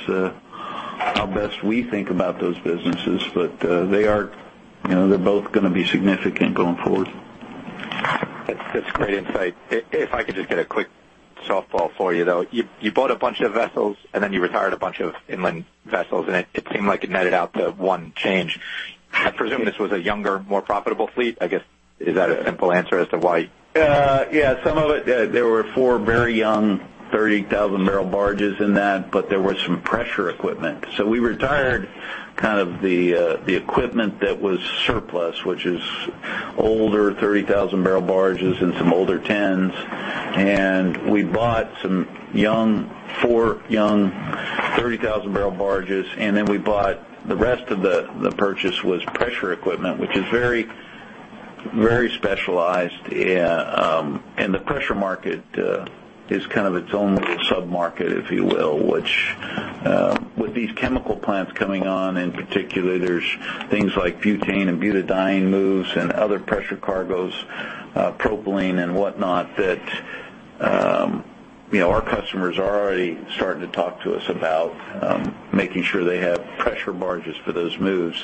how best we think about those businesses. But, they are, you know, they're both gonna be significant going forward. That's great insight. If I could just get a quick softball for you, though. You bought a bunch of vessels, and then you retired a bunch of inland vessels, and it seemed like it netted out to one change. I presume this was a younger, more profitable fleet. I guess, is that a simple answer as to why? Yeah, some of it, there were four very young, 30,000-barrel barges in that, but there was some pressure equipment. So we retired kind of the equipment that was surplus, which is older, 30,000-barrel barges and some older tens. And we bought some young, four young, 30,000-barrel barges, and then we bought the rest of the, the purchase was pressure equipment, which is very, very specialized. And the pressure market is kind of its own little submarket, if you will, which, with these chemical plants coming on, in particular, there's things like butane and butadiene moves and other pressure cargoes, propylene and whatnot, that, you know, our customers are already starting to talk to us about making sure they have pressure barges for those moves.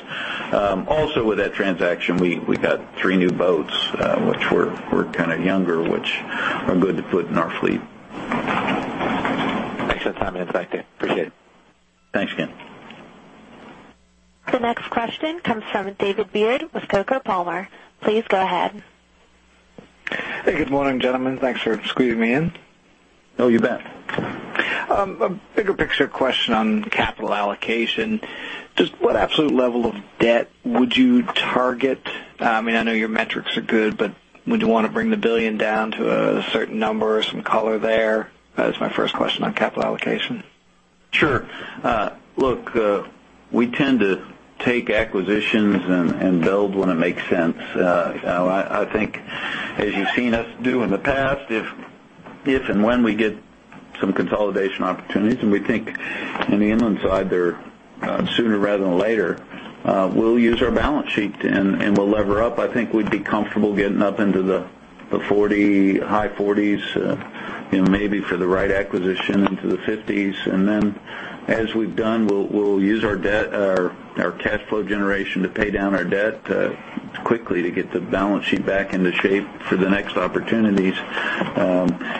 Also with that transaction, we got three new boats, which were kind of younger, which are good to put in our fleet. Thanks for the time and insight, Dave. Appreciate it. Thanks again. The next question comes from David Beard with Coker & Palmer. Please go ahead. Hey, good morning, gentlemen. Thanks for squeezing me in. Oh, you bet. A bigger picture question on capital allocation. Just what absolute level of debt would you target? I mean, I know your metrics are good, but would you want to bring the $1 billion down to a certain number or some color there? That was my first question on capital allocation. Sure. Look, we tend to take acquisitions and build when it makes sense. I think as you've seen us do in the past, if and when we get some consolidation opportunities, and we think in the inland side there, sooner rather than later, we'll use our balance sheet and we'll lever up. I think we'd be comfortable getting up into the 40, high 40s, you know, maybe for the right acquisition, into the 50s. And then, as we've done, we'll use our debt, our cash flow generation to pay down our debt quickly to get the balance sheet back into shape for the next opportunities.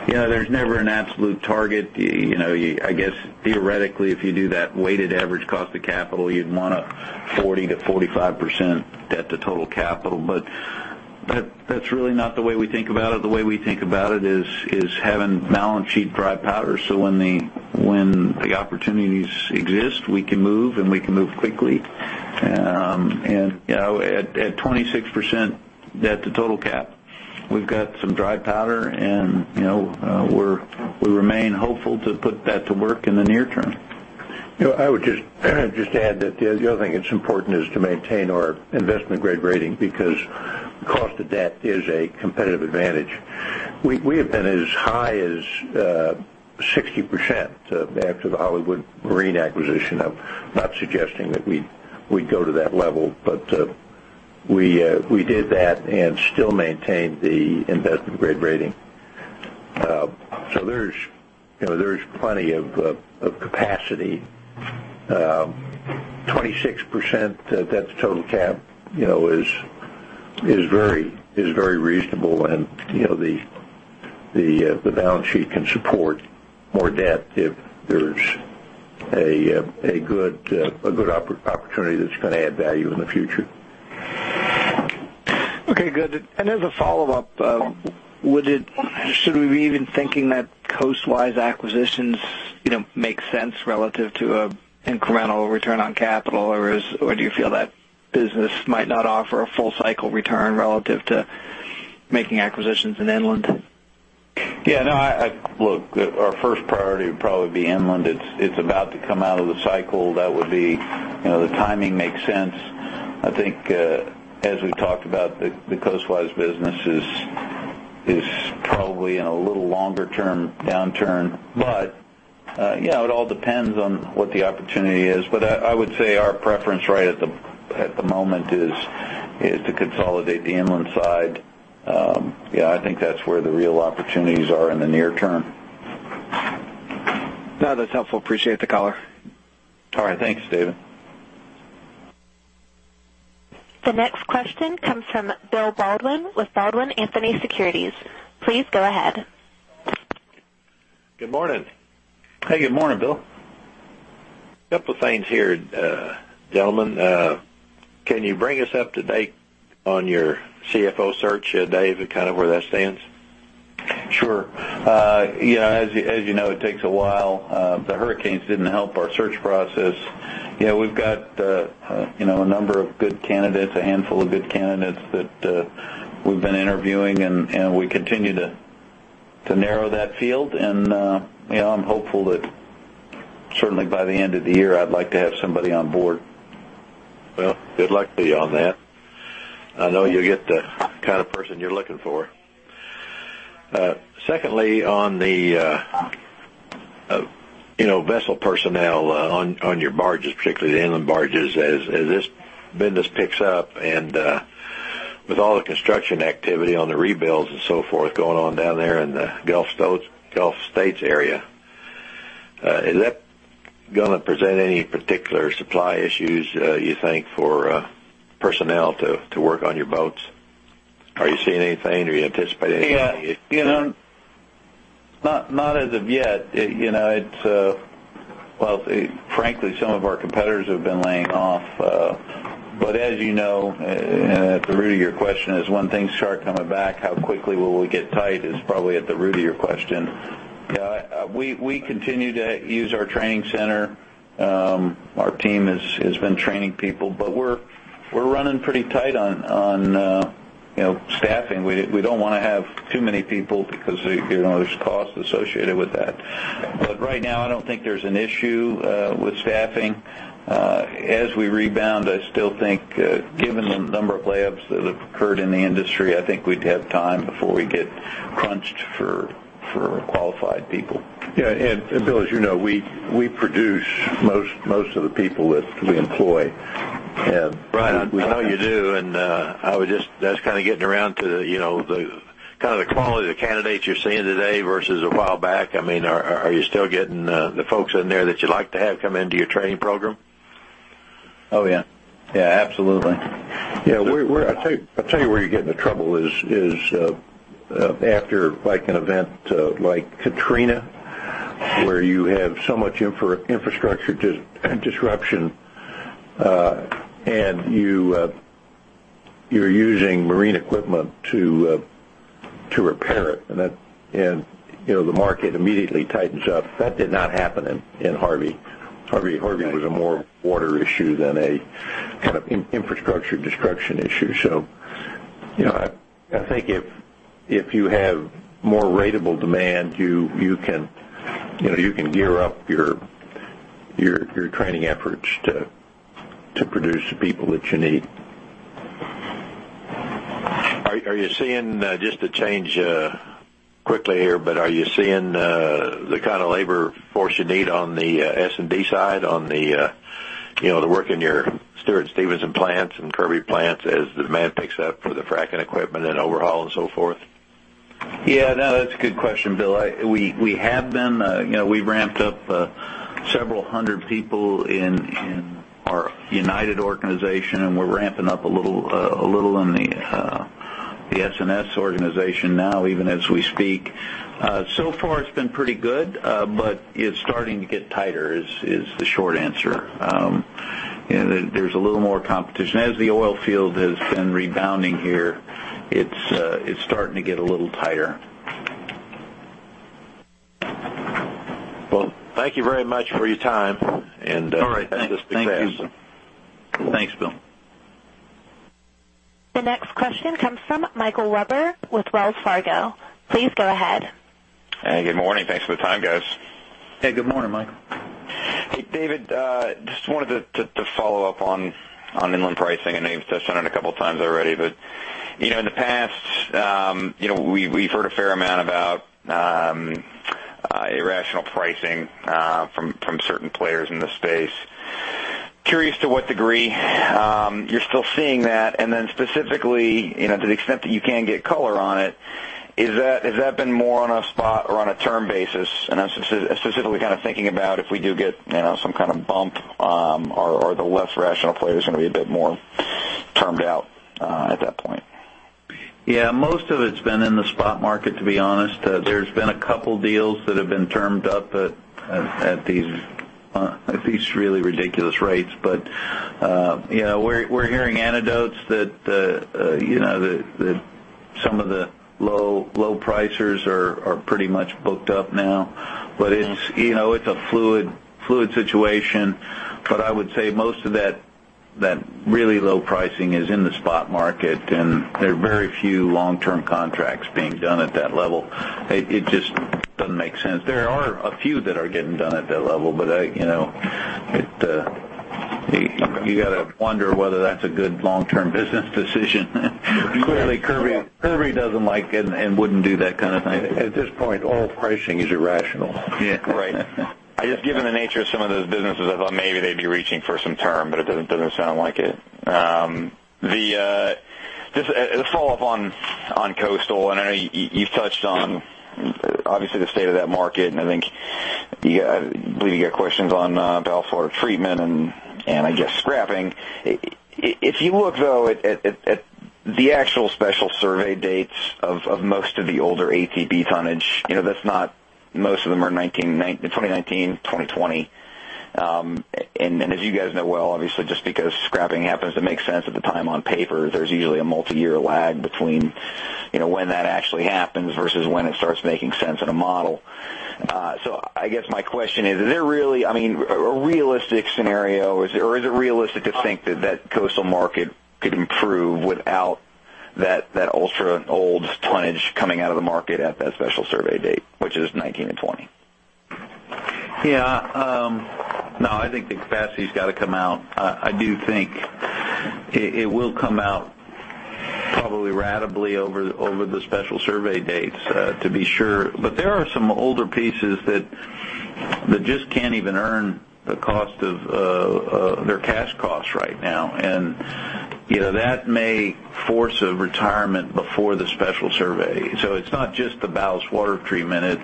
Yeah, there's never an absolute target. You know, I guess theoretically, if you do that weighted average cost of capital, you'd want a 40%-45% debt to total cap. But that's really not the way we think about it. The way we think about it is having balance sheet dry powder, so when the opportunities exist, we can move, and we can move quickly. And, you know, at 26% debt to total cap, we've got some dry powder, and, you know, we remain hopeful to put that to work in the near term. You know, I would just add that the other thing that's important is to maintain our investment-grade rating, because cost of debt is a competitive advantage. We have been as high as 60%, after the Hollywood Marine acquisition. I'm not suggesting that we'd go to that level, but we did that and still maintained the investment-grade rating. So there's, you know, there's plenty of capacity. 26%, that's the total cap, you know, is very reasonable, and you know, the balance sheet can support more debt if there's a good opportunity that's gonna add value in the future. Okay, good. And as a follow-up, should we be even thinking that coastwise acquisitions, you know, make sense relative to incremental return on capital, or do you feel that business might not offer a full cycle return relative to making acquisitions in inland? Yeah, no. Look, our first priority would probably be inland. It's about to come out of the cycle. That would be, you know, the timing makes sense. I think, as we talked about, the coastwise business is probably in a little longer term downturn. But, yeah, it all depends on what the opportunity is. But I would say our preference right at the moment is to consolidate the inland side. Yeah, I think that's where the real opportunities are in the near term. No, that's helpful. Appreciate the color. All right. Thanks, David. The next question comes from Bill Baldwin with Baldwin Anthony Securities. Please go ahead. Good morning. Hey, good morning, Bill. Couple things here, gentlemen. Can you bring us up to date on your CFO search, David, kind of where that stands? Sure. Yeah, as you know, it takes a while. The hurricanes didn't help our search process. You know, we've got a number of good candidates, a handful of good candidates that we've been interviewing, and we continue to narrow that field. And you know, I'm hopeful that certainly by the end of the year, I'd like to have somebody on board. Well, good luck to you on that. I know you'll get the kind of person you're looking for. Secondly, on the, you know, vessel personnel, on your barges, particularly the inland barges, as this business picks up and, with all the construction activity on the rebuilds and so forth going on down there in the Gulf States, Gulf States area, is that gonna present any particular supply issues, you think, for personnel to work on your boats? Are you seeing anything? Are you anticipating anything yet? Yeah. You know, not as of yet. You know, it's... Well, frankly, some of our competitors have been laying off, but as you know, at the root of your question is, when things start coming back, how quickly will we get tight? Is probably at the root of your question. We continue to use our training center. Our team has been training people, but we're running pretty tight on, you know, staffing. We don't wanna have too many people because, you know, there's costs associated with that. But right now, I don't think there's an issue with staffing. As we rebound, I still think, given the number of layups that have occurred in the industry, I think we'd have time before we get crunched for qualified people. Yeah, and Bill, as you know, we produce most of the people that we employ, and- Right. I know you do, and that's kind of getting around to, you know, the kind of the quality of the candidates you're seeing today versus a while back. I mean, are you still getting the folks in there that you'd like to have come into your training program? Oh, yeah. Yeah, absolutely. Yeah, we're—I'll tell you, I'll tell you where you get into trouble is after, like, an event like Katrina, where you have so much infrastructure disruption, and you're using marine equipment to repair it, and that... And, you know, the market immediately tightens up. That did not happen in Harvey. Harvey was a more water issue than a kind of infrastructure destruction issue. So, you know, I think if you have more ratable demand, you can gear up your training efforts to produce the people that you need. Are you seeing just a change quickly here, but are you seeing the kind of labor force you need on the S&D side, on the you know, the work in your Stewart & Stevenson plants and Kirby plants as demand picks up for the fracking equipment and overhaul and so forth? Yeah, no, that's a good question, Bill. We, we have been, you know, we've ramped up several hundred people in our United organization, and we're ramping up a little, a little in the S&S organization now, even as we speak. So far it's been pretty good, but it's starting to get tighter, is the short answer. And there's a little more competition. As the oil field has been rebounding here, it's starting to get a little tighter. Well, thank you very much for your time, and. All right. Best of success. Thank you. Thanks, Bill. The next question comes from Michael Webber with Wells Fargo. Please go ahead. Hey, good morning. Thanks for the time, guys. Hey, good morning, Michael. Hey, David, just wanted to follow up on inland pricing. I know you've touched on it a couple times already, but, you know, in the past, you know, we've heard a fair amount about irrational pricing from certain players in the space. Curious to what degree you're still seeing that, and then specifically, you know, to the extent that you can get color on it, has that been more on a spot or on a term basis? And I'm specifically kind of thinking about if we do get, you know, some kind of bump, are the less rational players gonna be a bit more termed out at that point? Yeah, most of it's been in the spot market, to be honest. There's been a couple deals that have been termed up at these really ridiculous rates. But, you know, we're hearing anecdotes that, you know, that some of the low pricers are pretty much booked up now. But it's, you know, it's a fluid situation. But I would say most of that really low pricing is in the spot market, and there are very few long-term contracts being done at that level. It just doesn't make sense. There are a few that are getting done at that level, but I, you know, you gotta wonder whether that's a good long-term business decision. Clearly, Kirby doesn't like it and wouldn't do that kind of thing. At this point, all pricing is irrational. Yeah. Right. I've just given the nature of some of those businesses, I thought maybe they'd be reaching for some term, but it doesn't sound like it. Let's follow up on coastal, and I know you've touched on, obviously, the state of that market, and I think I believe you got questions on ballast water treatment and I guess scrapping. If you look, though, at the actual special survey dates of most of the older ATB tonnage, you know, that's not-- Most of them are 2019, 2020. And as you guys know well, obviously, just because scrapping happens, it makes sense at the time on paper, there's usually a multiyear lag between, you know, when that actually happens versus when it starts making sense in a model. I guess my question is, is there really, I mean, a realistic scenario, or is it realistic to think that coastal market could improve without that ultra old tonnage coming out of the market at that special survey date, which is 2019 and 2020? Yeah, no, I think the capacity's gotta come out. I do think it will come out probably ratably over the special survey dates, to be sure. But there are some older pieces that just can't even earn the cost of their cash costs right now. And, you know, that may force a retirement before the special survey. So it's not just the ballast water treatment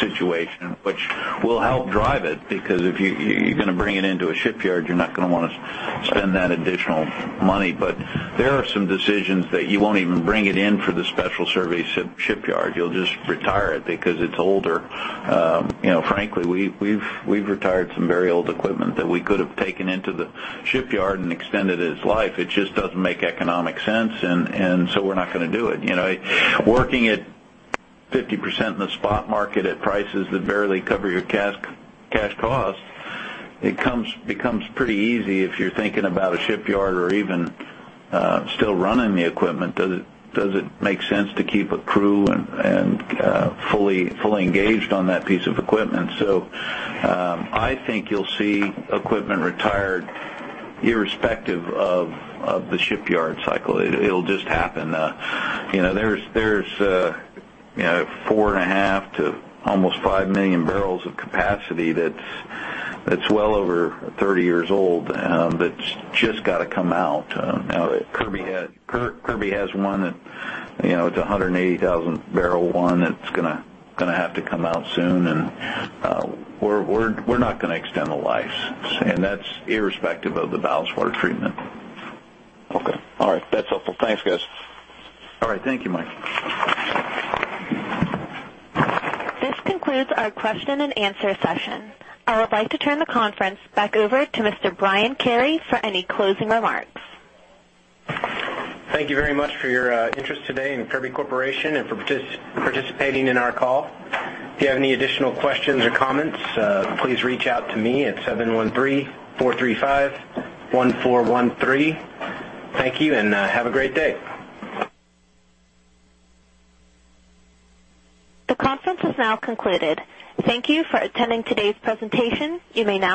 situation, which will help drive it, because if you're gonna bring it into a shipyard, you're not gonna wanna spend that additional money. But there are some decisions that you won't even bring it in for the special survey shipyard. You'll just retire it because it's older. You know, frankly, we've retired some very old equipment that we could have taken into the shipyard and extended its life. It just doesn't make economic sense, and so we're not gonna do it. You know, working at 50% in the spot market at prices that barely cover your cash costs, it becomes pretty easy if you're thinking about a shipyard or even still running the equipment. Does it make sense to keep a crew and fully engaged on that piece of equipment? So, I think you'll see equipment retired irrespective of the shipyard cycle. It'll just happen. You know, there's 4.5 million to almost 5 million barrels of capacity that's well over 30 years old, that's just gotta come out. Kirby had-- Kirby has one that, you know, it's a 180,000-barrel one that's gonna have to come out soon, and we're not gonna extend the life. And that's irrespective of the ballast water treatment. Okay. All right. That's helpful. Thanks, guys. All right. Thank you, Mike. This concludes our question and answer session. I would like to turn the conference back over to Mr. Brian Carey for any closing remarks. Thank you very much for your interest today in Kirby Corporation and for participating in our call. If you have any additional questions or comments, please reach out to me at 713-435-1413. Thank you, and have a great day. The conference is now concluded. Thank you for attending today's presentation. You may now disconnect.